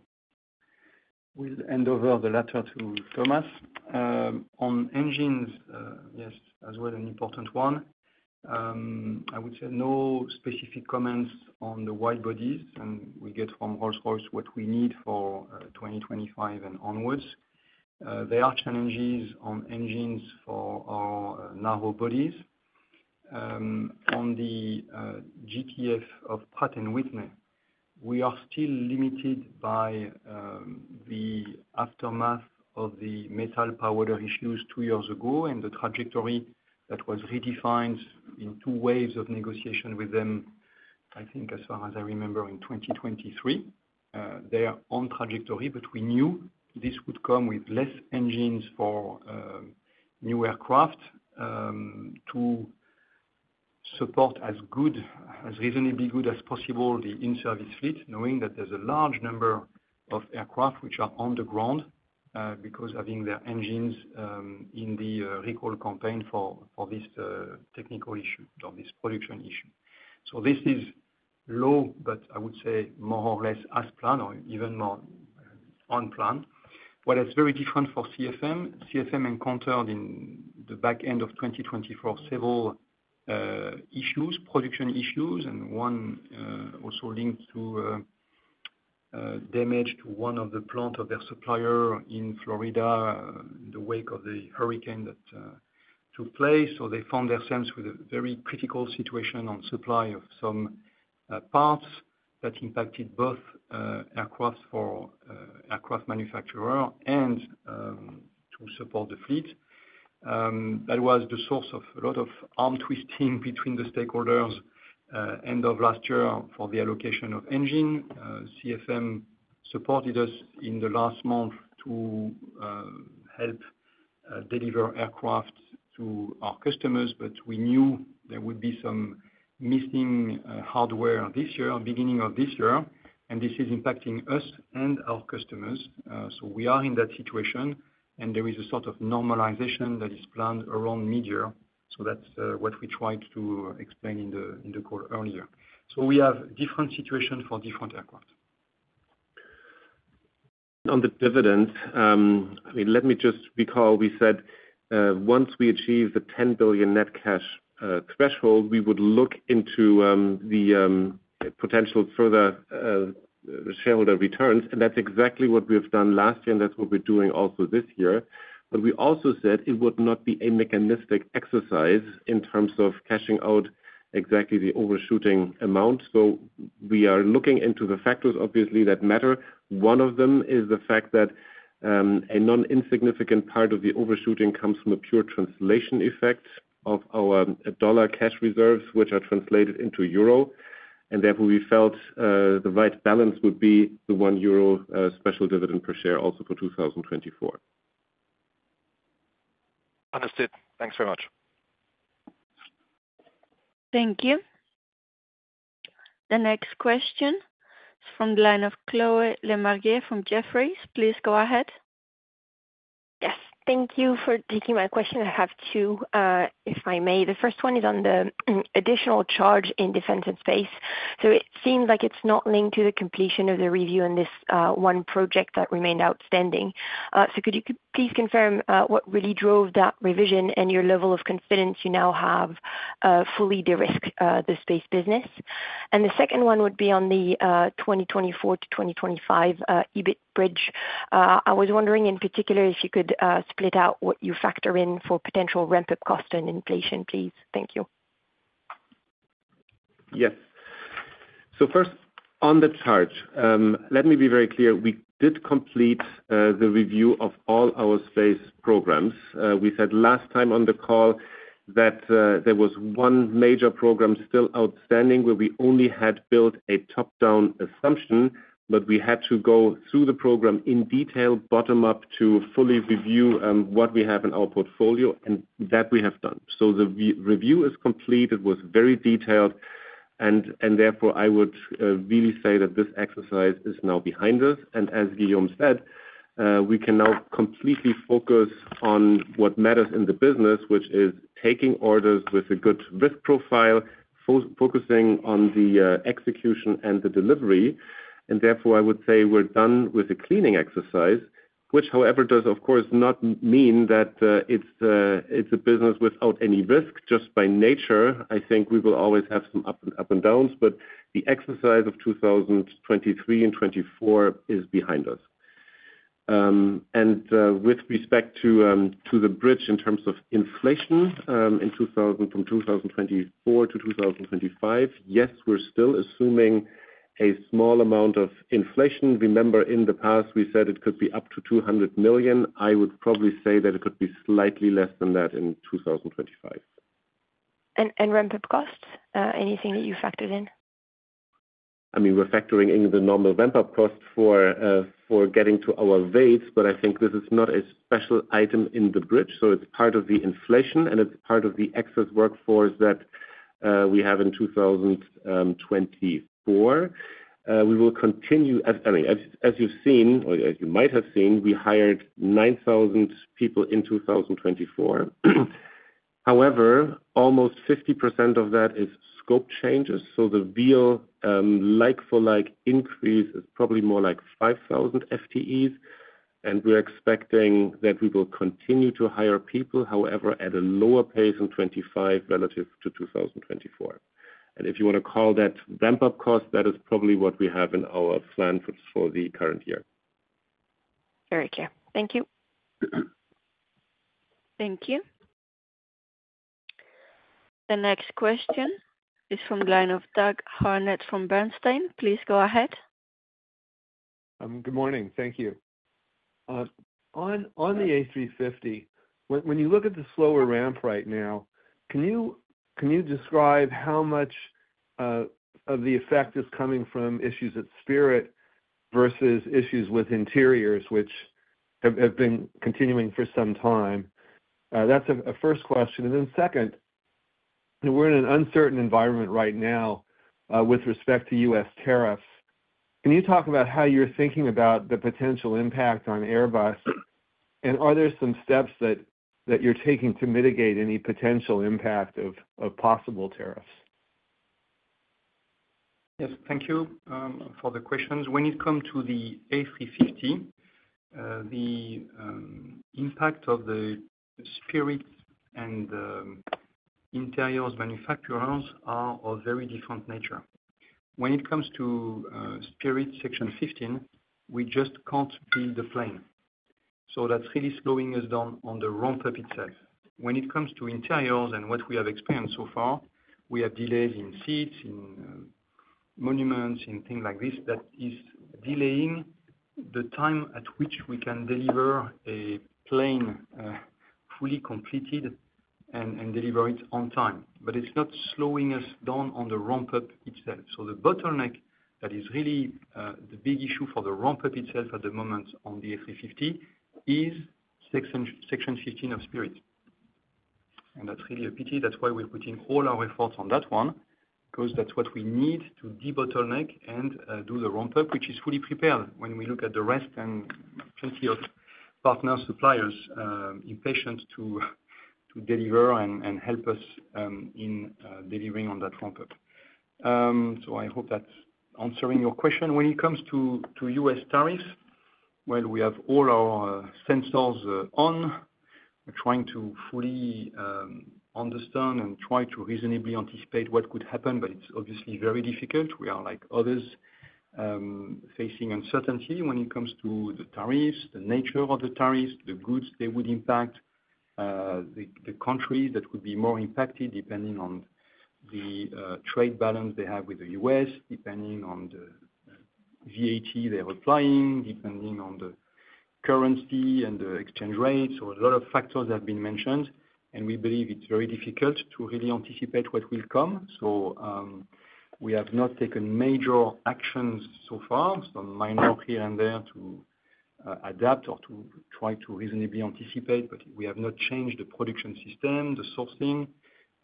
will hand over the matter to Thomas. On engines, yes, as well, an important one. I would say no specific comments on the wide bodies, and we get from Rolls-Royce what we need for 2025 and onwards. There are challenges on engines for our narrow bodies. On the GTF of Pratt & Whitney, we are still limited by the aftermath of the metal powder issues two years ago and the trajectory that was redefined in two waves of negotiation with them, I think, as far as I remember, in 2023. They are on trajectory, but we knew this would come with less engines for new aircraft to support as reasonably good as possible the in-service fleet, knowing that there's a large number of aircraft which are on the ground because of having their engines in the recall campaign for this technical issue or this production issue. So this is low, but I would say more or less as planned or even more unplanned. What is very different for CFM, CFM encountered in the back end of 2024 several issues, production issues, and one also linked to damage to one of the plants of their supplier in Florida in the wake of the hurricane that took place. So they found themselves with a very critical situation on supply of some parts that impacted both aircraft for aircraft manufacturer and to support the fleet. That was the source of a lot of arm twisting between the stakeholders end of last year for the allocation of engine. CFM supported us in the last month to help deliver aircraft to our customers, but we knew there would be some missing hardware this year, beginning of this year, and this is impacting us and our customers. So we are in that situation, and there is a sort of normalization that is planned around mid-year. So that's what we tried to explain in the call earlier. So we have different situations for different aircraft. On the dividends, I mean, let me just recall we said once we achieve the 10 billion net cash threshold, we would look into the potential further shareholder returns, and that's exactly what we've done last year, and that's what we're doing also this year. We also said it would not be a mechanistic exercise in terms of cashing out exactly the overshooting amount. We are looking into the factors, obviously, that matter. One of them is the fact that a non-insignificant part of the overshooting comes from a pure translation effect of our dollar cash reserves, which are translated into euro. Therefore, we felt the right balance would be the 1 euro special dividend per share also for 2024. Understood. Thanks very much. Thank you. The next question is from the line of Chloé Lemarié from Jefferies. Please go ahead. Yes. Thank you for taking my question. I have two, if I may. The first one is on the additional charge in Defence and Space. So it seems like it's not linked to the completion of the review in this one project that remained outstanding. So could you please confirm what really drove that revision and your level of confidence you now have fully de-risk the space business? And the second one would be on the 2024 to 2025 EBIT bridge. I was wondering in particular if you could split out what you factor in for potential ramp-up cost and inflation, please. Thank you. Yes, so first, on the charge, let me be very clear. We did complete the review of all our space programs. We said last time on the call that there was one major program still outstanding where we only had built a top-down assumption, but we had to go through the program in detail, bottom-up, to fully review what we have in our portfolio, and that we have done, so the review is complete. It was very detailed, and therefore, I would really say that this exercise is now behind us and as Guillaume said, we can now completely focus on what matters in the business, which is taking orders with a good risk profile, focusing on the execution and the delivery and therefore, I would say we're done with a cleaning exercise, which, however, does, of course, not mean that it's a business without any risk. Just by nature, I think we will always have some ups and downs, but the exercise of 2023 and 2024 is behind us. And with respect to the bridge in terms of inflation from 2024 to 2025, yes, we're still assuming a small amount of inflation. Remember, in the past, we said it could be up to 200 million. I would probably say that it could be slightly less than that in 2025. And ramp-up costs, anything that you factored in? I mean, we're factoring in the normal ramp-up cost for getting to our weights, but I think this is not a special item in the bridge. So it's part of the inflation, and it's part of the excess workforce that we have in 2024. We will continue, I mean, as you've seen, or as you might have seen, we hired 9,000 people in 2024. However, almost 50% of that is scope changes. So the real like-for-like increase is probably more like 5,000 FTEs, and we're expecting that we will continue to hire people, however, at a lower pace in 2025 relative to 2024. And if you want to call that ramp-up cost, that is probably what we have in our plan for the current year. Very clear. Thank you. Thank you. The next question is from the line of Doug Harned from Bernstein. Please go ahead. Good morning. Thank you. On the A350, when you look at the slower ramp right now, can you describe how much of the effect is coming from issues at Spirit versus issues with interiors, which have been continuing for some time? That's a first question. And then second, we're in an uncertain environment right now with respect to U.S. tariffs. Can you talk about how you're thinking about the potential impact on Airbus? And are there some steps that you're taking to mitigate any potential impact of possible tariffs? Yes. Thank you for the questions. When it comes to the A350, the impact of the Spirit and interiors manufacturers are of very different nature. When it comes to Spirit Section 15, we just can't build the plane. So that's really slowing us down on the ramp-up itself. When it comes to interiors and what we have experienced so far, we have delays in seats, in monuments, in things like this that is delaying the time at which we can deliver a plane fully completed and deliver it on time. But it's not slowing us down on the ramp-up itself. So the bottleneck that is really the big issue for the ramp-up itself at the moment on the A350 is Section 15 of Spirit, and that's really a pity. That's why we're putting all our efforts on that one because that's what we need to de-bottleneck and do the ramp-up, which is fully prepared when we look at the rest and plenty of partner suppliers impatient to deliver and help us in delivering on that ramp-up. So I hope that's answering your question. When it comes to U.S. tariffs, well, we have all our sensors on. We're trying to fully understand and try to reasonably anticipate what could happen, but it's obviously very difficult. We are like others facing uncertainty when it comes to the tariffs, the nature of the tariffs, the goods they would impact, the countries that would be more impacted depending on the trade balance they have with the U.S., depending on the VAT they're applying, depending on the currency and the exchange rates. A lot of factors have been mentioned, and we believe it's very difficult to really anticipate what will come. So we have not taken major actions so far, some minor here and there to adapt or to try to reasonably anticipate, but we have not changed the production system, the sourcing,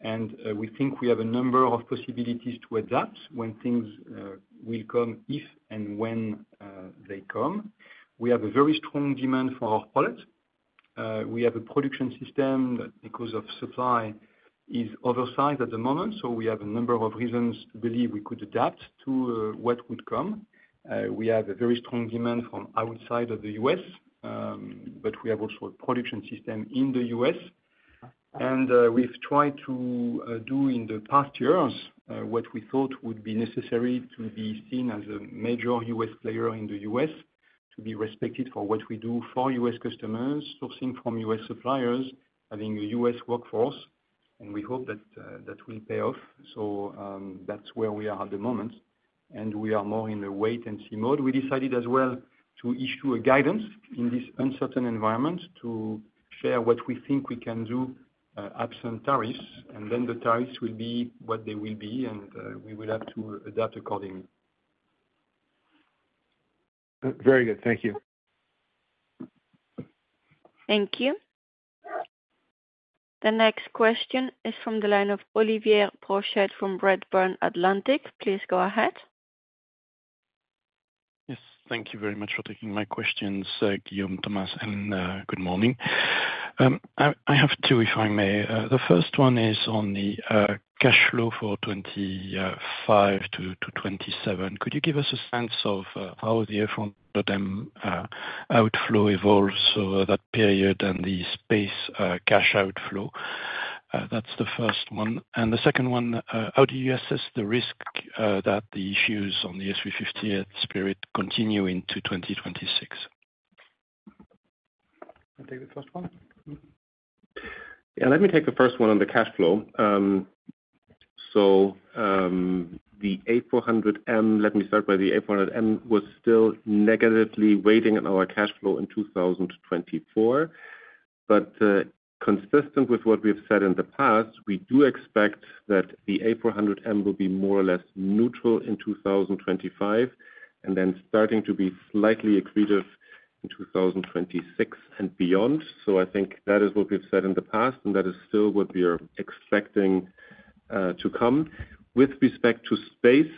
and we think we have a number of possibilities to adapt when things will come if and when they come. We have a very strong demand for our product. We have a production system that, because of supply, is oversized at the moment. So we have a number of reasons to believe we could adapt to what would come. We have a very strong demand from outside of the U.S., but we have also a production system in the U.S. And we've tried to do in the past years what we thought would be necessary to be seen as a major U.S. player in the U.S., to be respected for what we do for U.S. customers, sourcing from U.S. suppliers, having a U.S. workforce, and we hope that that will pay off. So that's where we are at the moment, and we are more in the wait-and-see mode. We decided as well to issue a guidance in this uncertain environment to share what we think we can do absent tariffs, and then the tariffs will be what they will be, and we will have to adapt accordingly. Very good. Thank you. Thank you. The next question is from the line of Olivier Brochet from Redburn Atlantic. Please go ahead. Yes. Thank you very much for taking my questions, Guillaume, Thomas, and good morning. I have two, if I may. The first one is on the cash flow for 2025 to 2027. Could you give us a sense of how the A400M outflow evolves over that period and the space cash outflow? That's the first one, and the second one, how do you assess the risk that the issues on the A350 at Spirit continue into 2026? You take the first one? Yeah. Let me take the first one on the cash flow. So the A400M, let me start by the A400M, was still negatively weighing on our cash flow in 2024. But consistent with what we've said in the past, we do expect that the A400M will be more or less neutral in 2025 and then starting to be slightly accretive in 2026 and beyond. So I think that is what we've said in the past, and that is still what we are expecting to come. With respect to space,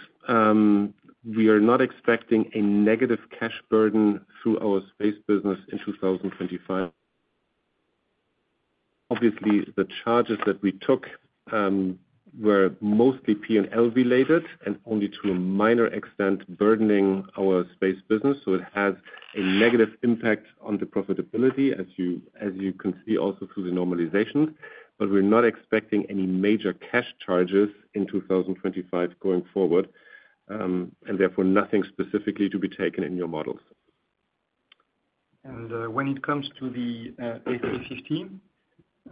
we are not expecting a negative cash burden through our space business in 2025. Obviously, the charges that we took were mostly P&L-related and only to a minor extent burdening our space business. So it has a negative impact on the profitability, as you can see also through the normalization. But we're not expecting any major cash charges in 2025 going forward, and therefore nothing specifically to be taken in your models. When it comes to the A350,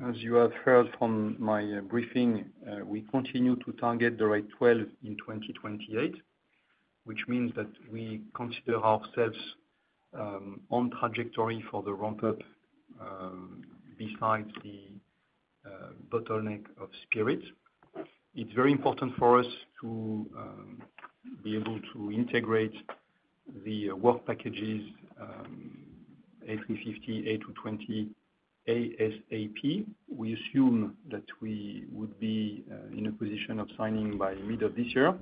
as you have heard from my briefing, we continue to target the rate of 12 in 2028, which means that we consider ourselves on trajectory for the ramp-up besides the bottleneck of Spirit. It's very important for us to be able to integrate the work packages A350, A220, ASAP. We assume that we would be in a position of signing by mid of this year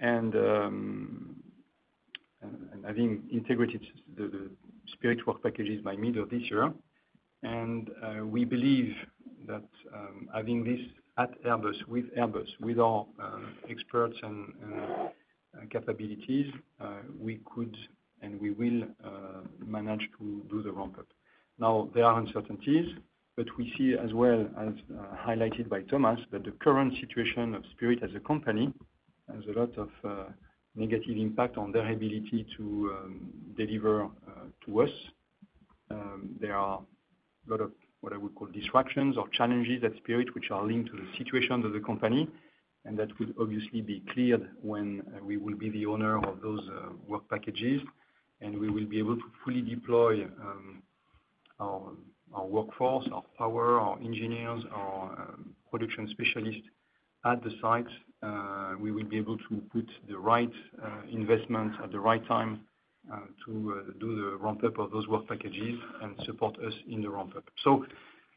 and having integrated the Spirit work packages by mid of this year. We believe that having this at Airbus, with Airbus, with our experts and capabilities, we could and we will manage to do the ramp-up. Now, there are uncertainties, but we see as well, as highlighted by Thomas, that the current situation of Spirit as a company has a lot of negative impact on their ability to deliver to us. There are a lot of what I would call distractions or challenges at Spirit which are linked to the situation of the company, and that would obviously be cleared when we will be the owner of those work packages, and we will be able to fully deploy our workforce, our power, our engineers, our production specialists at the sites. We will be able to put the right investments at the right time to do the ramp-up of those work packages and support us in the ramp-up. So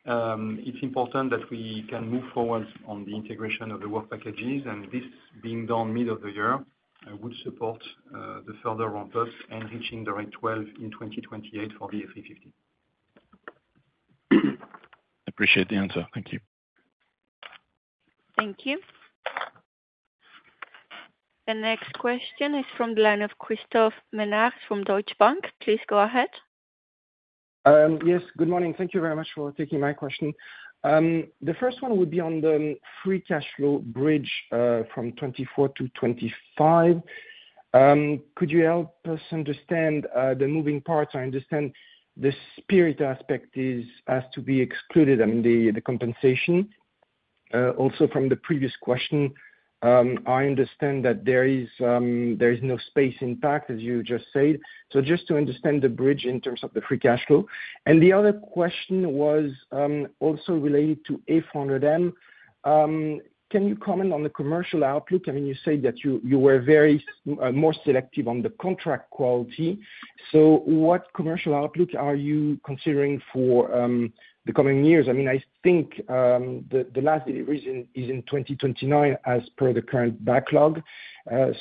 it's important that we can move forward on the integration of the work packages, and this being done mid of the year would support the further ramp-ups and reaching the rate 12 in 2028 for the A350. I appreciate the answer. Thank you. Thank you. The next question is from the line of Christophe Menard from Deutsche Bank. Please go ahead. Yes. Good morning. Thank you very much for taking my question. The first one would be on the free cash flow bridge from 2024 to 2025. Could you help us understand the moving parts? I understand the Spirit aspect has to be excluded, I mean, the compensation. Also, from the previous question, I understand that there is no space impact, as you just said. So just to understand the bridge in terms of the free cash flow. And the other question was also related to A400M. Can you comment on the commercial outlook? I mean, you said that you were more selective on the contract quality. So what commercial outlook are you considering for the coming years? I mean, I think the last delivery is in 2029 as per the current backlog.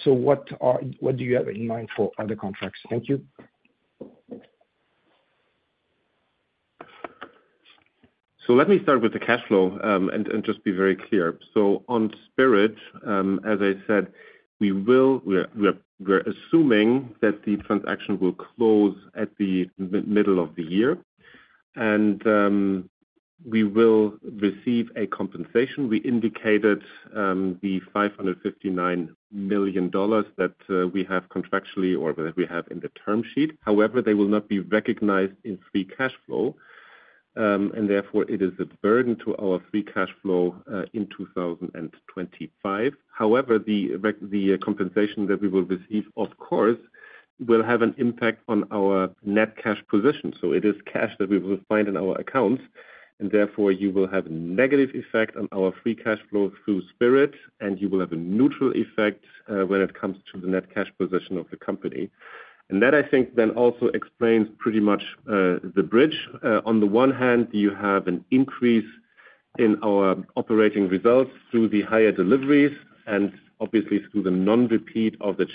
So what do you have in mind for other contracts? Thank you. Let me start with the cash flow and just be very clear. On Spirit, as I said, we're assuming that the transaction will close at the middle of the year, and we will receive a compensation. We indicated the $559 million that we have contractually or that we have in the term sheet. However, they will not be recognized in free cash flow, and therefore it is a burden to our free cash flow in 2025. However, the compensation that we will receive, of course, will have an impact on our net cash position. It is cash that we will find in our accounts, and therefore you will have a negative effect on our free cash flow through Spirit, and you will have a neutral effect when it comes to the net cash position of the company. And that, I think, then also explains pretty much the bridge. On the one hand, you have an increase in our operating results through the higher deliveries and obviously through the non-repeat of the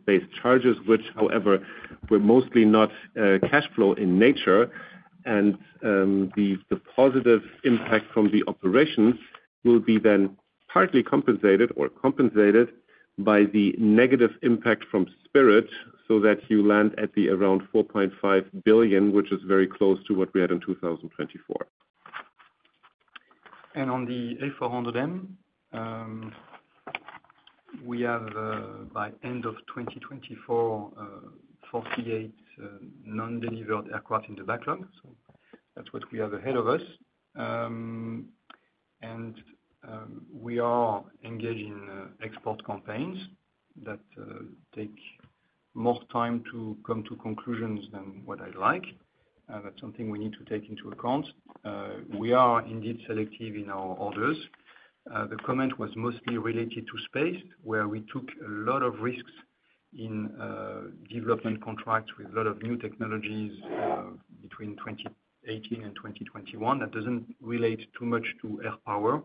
space charges, which, however, were mostly not cash flow in nature. And the positive impact from the operations will be then partly compensated or compensated by the negative impact from Spirit so that you land at the around 4.5 billion, which is very close to what we had in 2024. And on the A400M, we have, by end of 2024, 48 non-delivered aircraft in the backlog. So that's what we have ahead of us. And we are engaged in export campaigns that take more time to come to conclusions than what I'd like. That's something we need to take into account. We are indeed selective in our orders. The comment was mostly related to space, where we took a lot of risks in development contracts with a lot of new technologies between 2018 and 2021. That doesn't relate too much to Air Power.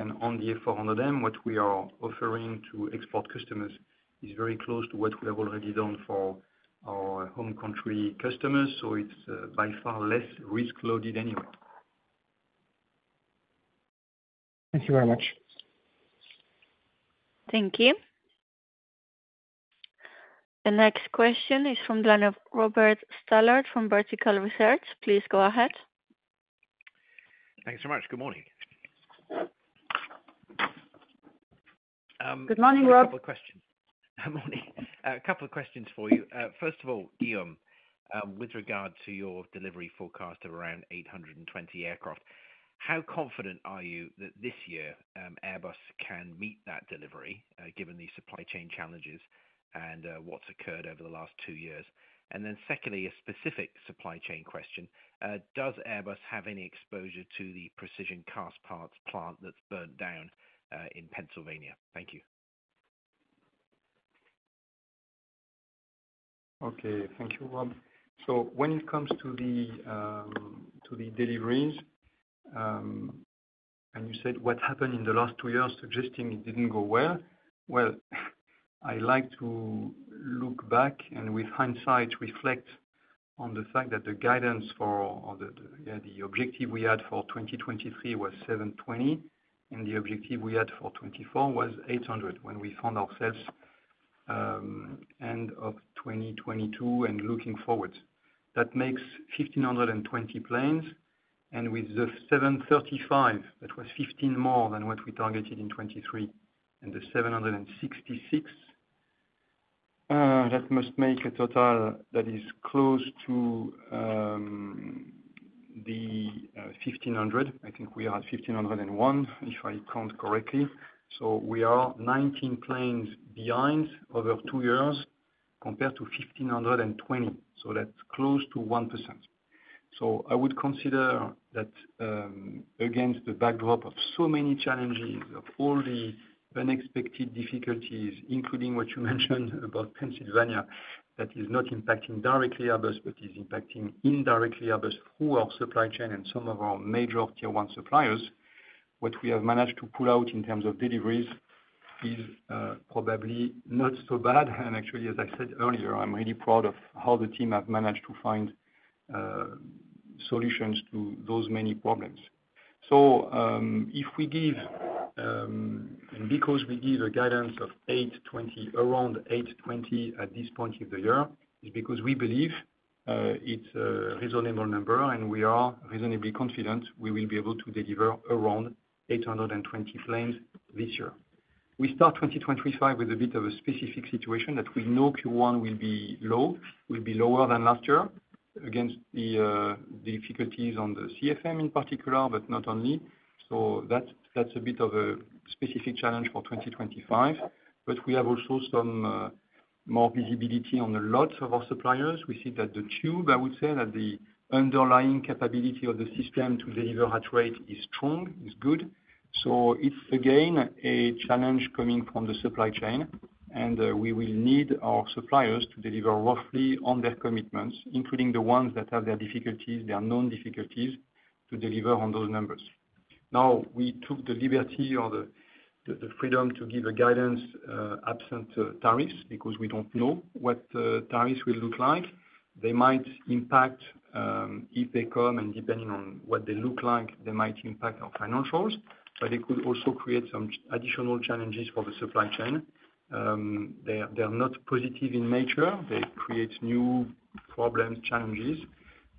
And on the A400M, what we are offering to export customers is very close to what we have already done for our home country customers. So it's by far less risk-loaded anyway. Thank you very much. Thank you. The next question is from the line of Robert Stallard from Vertical Research. Please go ahead. Thanks so much. Good morning. Good morning, Rob. A couple of questions. Good morning. A couple of questions for you. First of all, Guillaume, with regard to your delivery forecast of around 820 aircraft, how confident are you that this year Airbus can meet that delivery given the supply chain challenges and what's occurred over the last two years? And then secondly, a specific supply chain question. Does Airbus have any exposure to the Precision Castparts plant that's burnt down in Pennsylvania? Thank you. Okay. Thank you, Rob. So when it comes to the deliveries, and you said what happened in the last two years suggesting it didn't go well, well, I'd like to look back and, with hindsight, reflect on the fact that the guidance for the objective we had for 2023 was 720, and the objective we had for 2024 was 800 when we found ourselves end of 2022 and looking forward. That makes 1,520 planes, and with the 735, that was 15 more than what we targeted in 2023, and the 766, that must make a total that is close to the 1,500. I think we are at 1,501, if I count correctly. So we are 19 planes behind over two years compared to 1,520. So that's close to 1%. So I would consider that against the backdrop of so many challenges, of all the unexpected difficulties, including what you mentioned about Pennsylvania, that is not impacting directly Airbus but is impacting indirectly Airbus through our supply chain and some of our major tier-one suppliers, what we have managed to pull out in terms of deliveries is probably not so bad. And actually, as I said earlier, I'm really proud of how the team have managed to find solutions to those many problems. So if we give and because we give a guidance of around 820 at this point of the year, it's because we believe it's a reasonable number, and we are reasonably confident we will be able to deliver around 820 planes this year. We start 2025 with a bit of a specific situation that we know Q1 will be low, will be lower than last year against the difficulties on the CFM in particular, but not only. So that's a bit of a specific challenge for 2025. But we have also some more visibility on the lots of our suppliers. We see that the truth, I would say, that the underlying capability of the system to deliver at rate is strong, is good. So it's, again, a challenge coming from the supply chain, and we will need our suppliers to deliver roughly on their commitments, including the ones that have their difficulties, their known difficulties to deliver on those numbers. Now, we took the liberty or the freedom to give a guidance absent tariffs because we don't know what the tariffs will look like. They might impact if they come, and depending on what they look like, they might impact our financials. But it could also create some additional challenges for the supply chain. They're not positive in nature. They create new problems, challenges.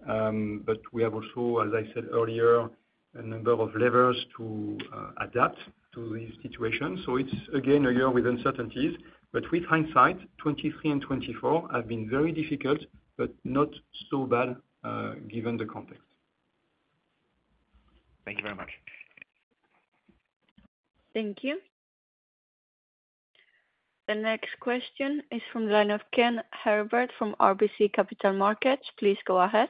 But we have also, as I said earlier, a number of levers to adapt to these situations. So it's, again, a year with uncertainties. But with hindsight, 2023 and 2024 have been very difficult but not so bad given the context. Thank you very much. Thank you. The next question is from the line of Ken Herbert from RBC Capital Markets. Please go ahead.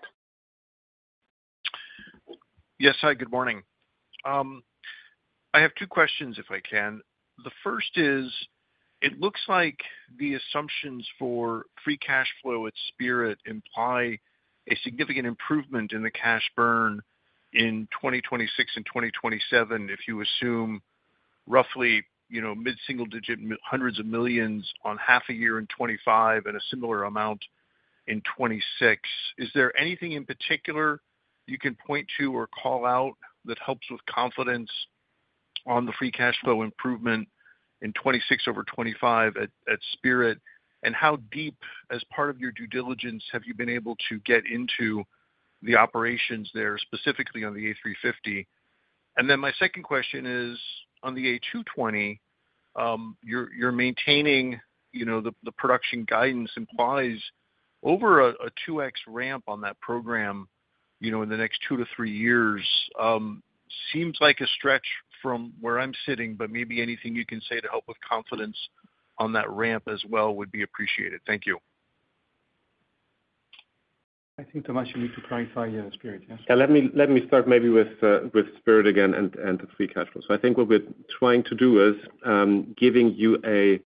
Yes. Hi, good morning. I have two questions, if I can. The first is, it looks like the assumptions for free cash flow at Spirit imply a significant improvement in the cash burn in 2026 and 2027 if you assume roughly mid-single-digit hundreds of millions on half a year in 2025 and a similar amount in 2026. Is there anything in particular you can point to or call out that helps with confidence on the free cash flow improvement in 2026 over 2025 at Spirit? And how deep, as part of your due diligence, have you been able to get into the operations there specifically on the A350? And then my second question is, on the A220, you're maintaining the production guidance implies over a 2X ramp on that program in the next two to three years. Seems like a stretch from where I'm sitting, but maybe anything you can say to help with confidence on that ramp as well would be appreciated. Thank you. I think, Thomas, you need to clarify your experience. Yeah. Yeah. Let me start maybe with Spirit again and the free cash flow. So I think what we're trying to do is giving you a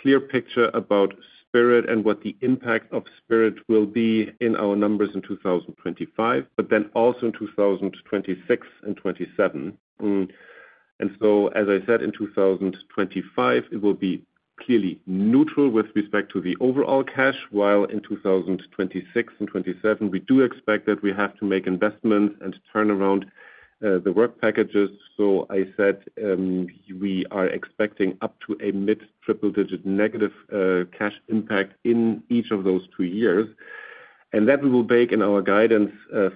clear picture about Spirit and what the impact of Spirit will be in our numbers in 2025, but then also in 2026 and 2027. And so, as I said, in 2025, it will be clearly neutral with respect to the overall cash, while in 2026 and 2027, we do expect that we have to make investments and turn around the work packages. So I said we are expecting up to a mid-triple-digit negative cash impact in each of those two years, and that we will bake in our guidance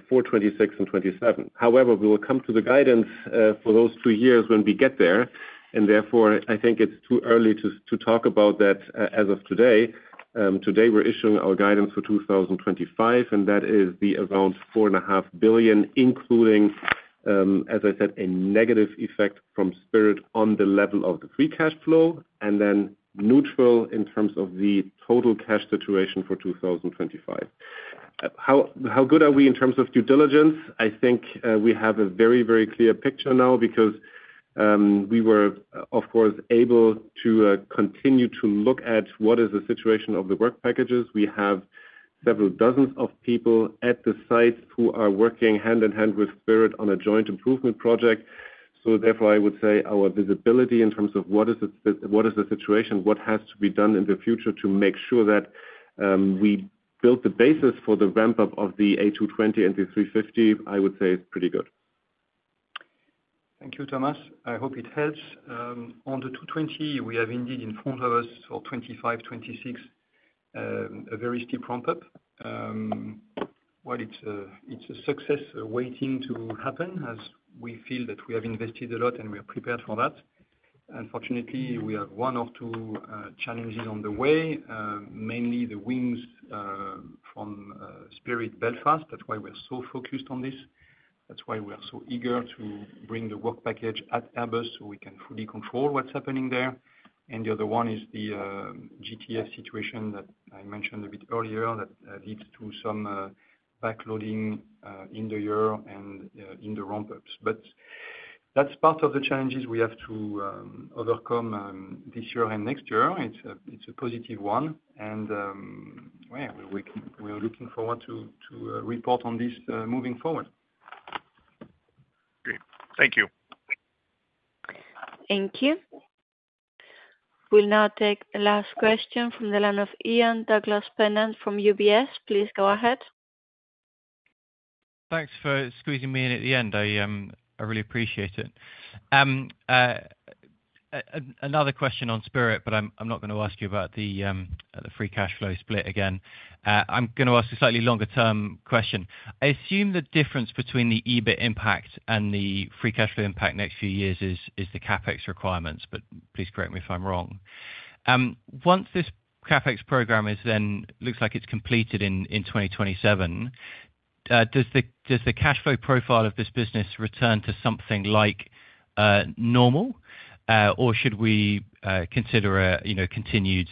for 2026 and 2027. However, we will come to the guidance for those two years when we get there, and therefore, I think it's too early to talk about that as of today. Today, we're issuing our guidance for 2025, and that's around 4.5 billion, including, as I said, a negative effect from Spirit on the level of the free cash flow and then neutral in terms of the total cash situation for 2025. How good are we in terms of due diligence? I think we have a very, very clear picture now because we were, of course, able to continue to look at what is the situation of the work packages. We have several dozens of people at the sites who are working hand in hand with Spirit on a joint improvement project. So therefore, I would say our visibility in terms of what is the situation, what has to be done in the future to make sure that we build the basis for the ramp-up of the A220 and the A350, I would say, is pretty good. Thank you, Thomas. I hope it helps. On the A220, we have indeed in front of us for 2025, 2026 a very steep ramp-up. It's a success waiting to happen as we feel that we have invested a lot and we are prepared for that. Unfortunately, we have one or two challenges on the way, mainly the wings from Spirit Belfast. That's why we're so focused on this. That's why we are so eager to bring the work package at Airbus so we can fully control what's happening there. And the other one is the GTF situation that I mentioned a bit earlier that leads to some backloading in the year and in the ramp-ups. But that's part of the challenges we have to overcome this year and next year. It's a positive one. And yeah, we're looking forward to report on this moving forward. Okay. Thank you. Thank you. We'll now take the last question from the line of Ian Douglas-Pennant from UBS. Please go ahead. Thanks for squeezing me in at the end. I really appreciate it. Another question on Spirit, but I'm not going to ask you about the free cash flow split again. I'm going to ask a slightly longer-term question. I assume the difference between the EBIT impact and the free cash flow impact next few years is the CapEx requirements, but please correct me if I'm wrong. Once this CapEx program looks like it's completed in 2027, does the cash flow profile of this business return to something like normal, or should we consider a continued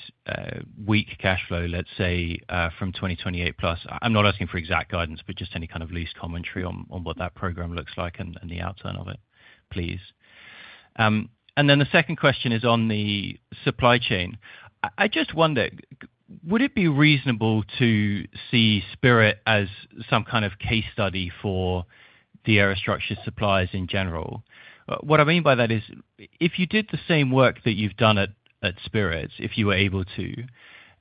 weak cash flow, let's say, from 2028 plus? I'm not asking for exact guidance, but just any kind of loose commentary on what that program looks like and the outcome of it, please. And then the second question is on the supply chain. I just wonder, would it be reasonable to see Spirit as some kind of case study for the Aerostructure suppliers in general? What I mean by that is, if you did the same work that you've done at Spirit, if you were able to,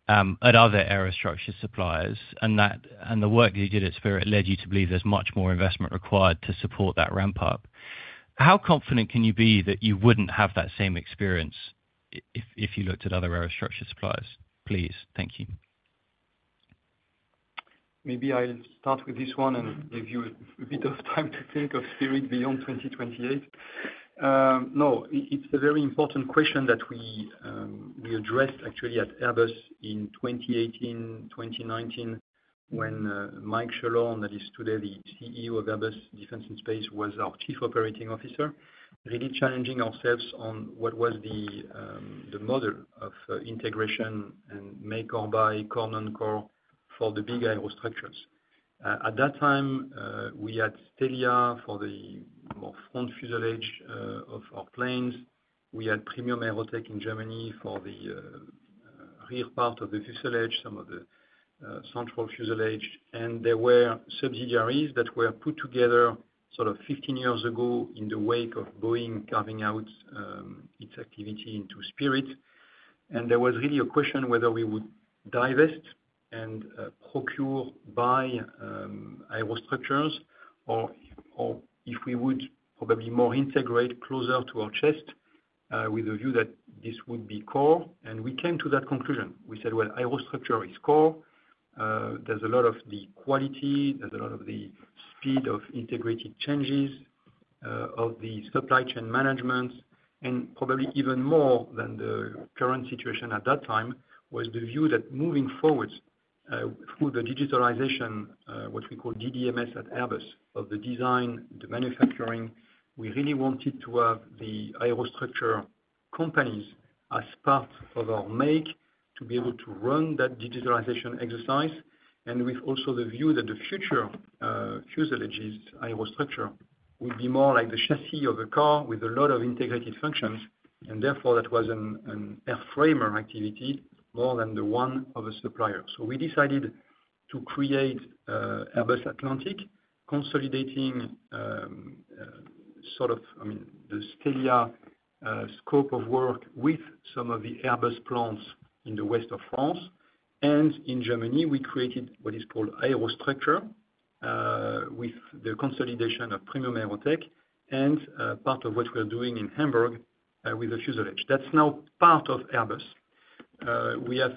at other Aerostructure suppliers, and the work you did at Spirit led you to believe there's much more investment required to support that ramp-up, how confident can you be that you wouldn't have that same experience if you looked at other Aerostructure suppliers? Please. Thank you. Maybe I'll start with this one and give you a bit of time to think of Spirit beyond 2028. No, it's a very important question that we addressed, actually, at Airbus in 2018, 2019, when Mike Schoellhorn, that is today the CEO of Airbus Defence and Space, was our chief operating officer, really challenging ourselves on what was the model of integration and make or buy, core non-core for the big aerostructures. At that time, we had Stelia for the more front fuselage of our planes. We had Premium AEROTEC in Germany for the rear part of the fuselage, some of the central fuselage. There were subsidiaries that were put together sort of 15 years ago in the wake of Boeing carving out its activity into Spirit. There was really a question whether we would divest and procure aerostructures or if we would probably more integrate closer to our chest with a view that this would be core. We came to that conclusion. We said, "Well, aerostructure is core. There's a lot of the quality. There's a lot of the speed of integrated changes of the supply chain management." Probably even more than the current situation at that time was the view that moving forward through the digitalization, what we call DDMS at Airbus, of the design, the manufacturing, we really wanted to have the aerostructure companies as part of our make to be able to run that digitalization exercise. With also the view that the future fuselage aerostructure would be more like the chassis of a car with a lot of integrated functions. And therefore, that was an airframer activity more than the one of a supplier. So we decided to create Airbus Atlantic, consolidating sort of, I mean, the Stelia scope of work with some of the Airbus plants in the west of France. And in Germany, we created what is called Aerostructures with the consolidation of Premium AEROTEC and part of what we're doing in Hamburg with the fuselage. That's now part of Airbus. We have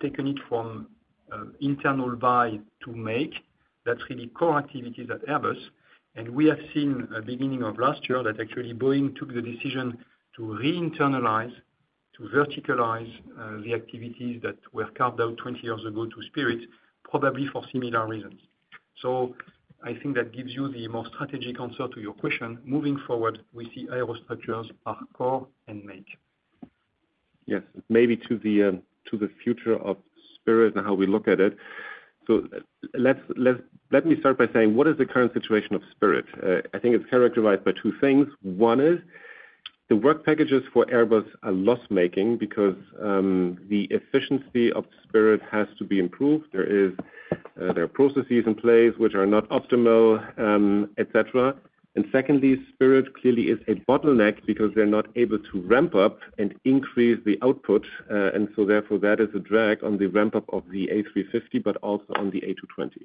taken it from internal buy to make. That's really core activities at Airbus. And we have seen at the beginning of last year that actually Boeing took the decision to re-internalize, to verticalize the activities that were carved out 20 years ago to Spirit, probably for similar reasons. So I think that gives you the more strategic answer to your question. Moving forward, we see aerostructures are core and make. Yes. Maybe to the future of Spirit and how we look at it. So let me start by saying, what is the current situation of Spirit? I think it's characterized by two things. One is the work packages for Airbus are loss-making because the efficiency of Spirit has to be improved. There are processes in place which are not optimal, etc. And secondly, Spirit clearly is a bottleneck because they're not able to ramp up and increase the output. And so therefore, that is a drag on the ramp-up of the A350, but also on the A220.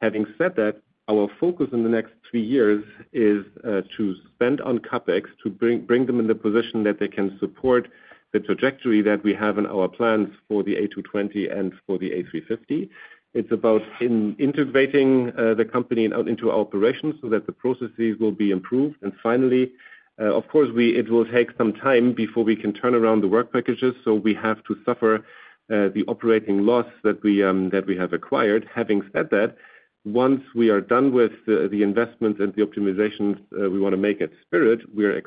Having said that, our focus in the next three years is to spend on CapEx to bring them in the position that they can support the trajectory that we have in our plans for the A220 and for the A350. It's about integrating the company into our operations so that the processes will be improved, and finally, of course, it will take some time before we can turn around the work packages, so we have to suffer the operating loss that we have acquired. Having said that, once we are done with the investments and the optimizations we want to make at Spirit, we are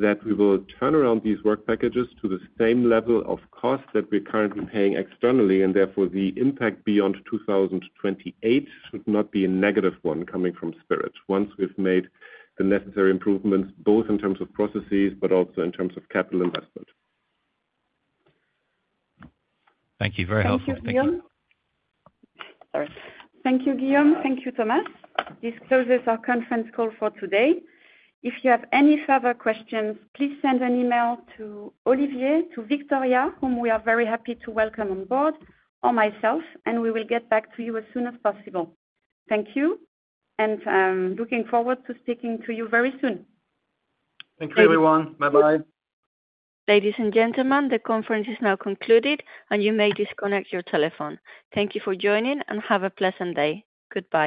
expecting that we will turn around these work packages to the same level of cost that we're currently paying externally, and therefore, the impact beyond 2028 should not be a negative one coming from Spirit once we've made the necessary improvements both in terms of processes, but also in terms of capital investment. Thank you. Very helpful. Thank you. Thank you, Guillaume. Thank you, Thomas. This closes our conference call for today. If you have any further questions, please send an email to Olivier, to Victoria, whom we are very happy to welcome on board, or myself, and we will get back to you as soon as possible. Thank you and looking forward to speaking to you very soon. Thank you, everyone. Bye-bye. Ladies and gentlemen, the conference is now concluded, and you may disconnect your telephone. Thank you for joining, and have a pleasant day. Goodbye.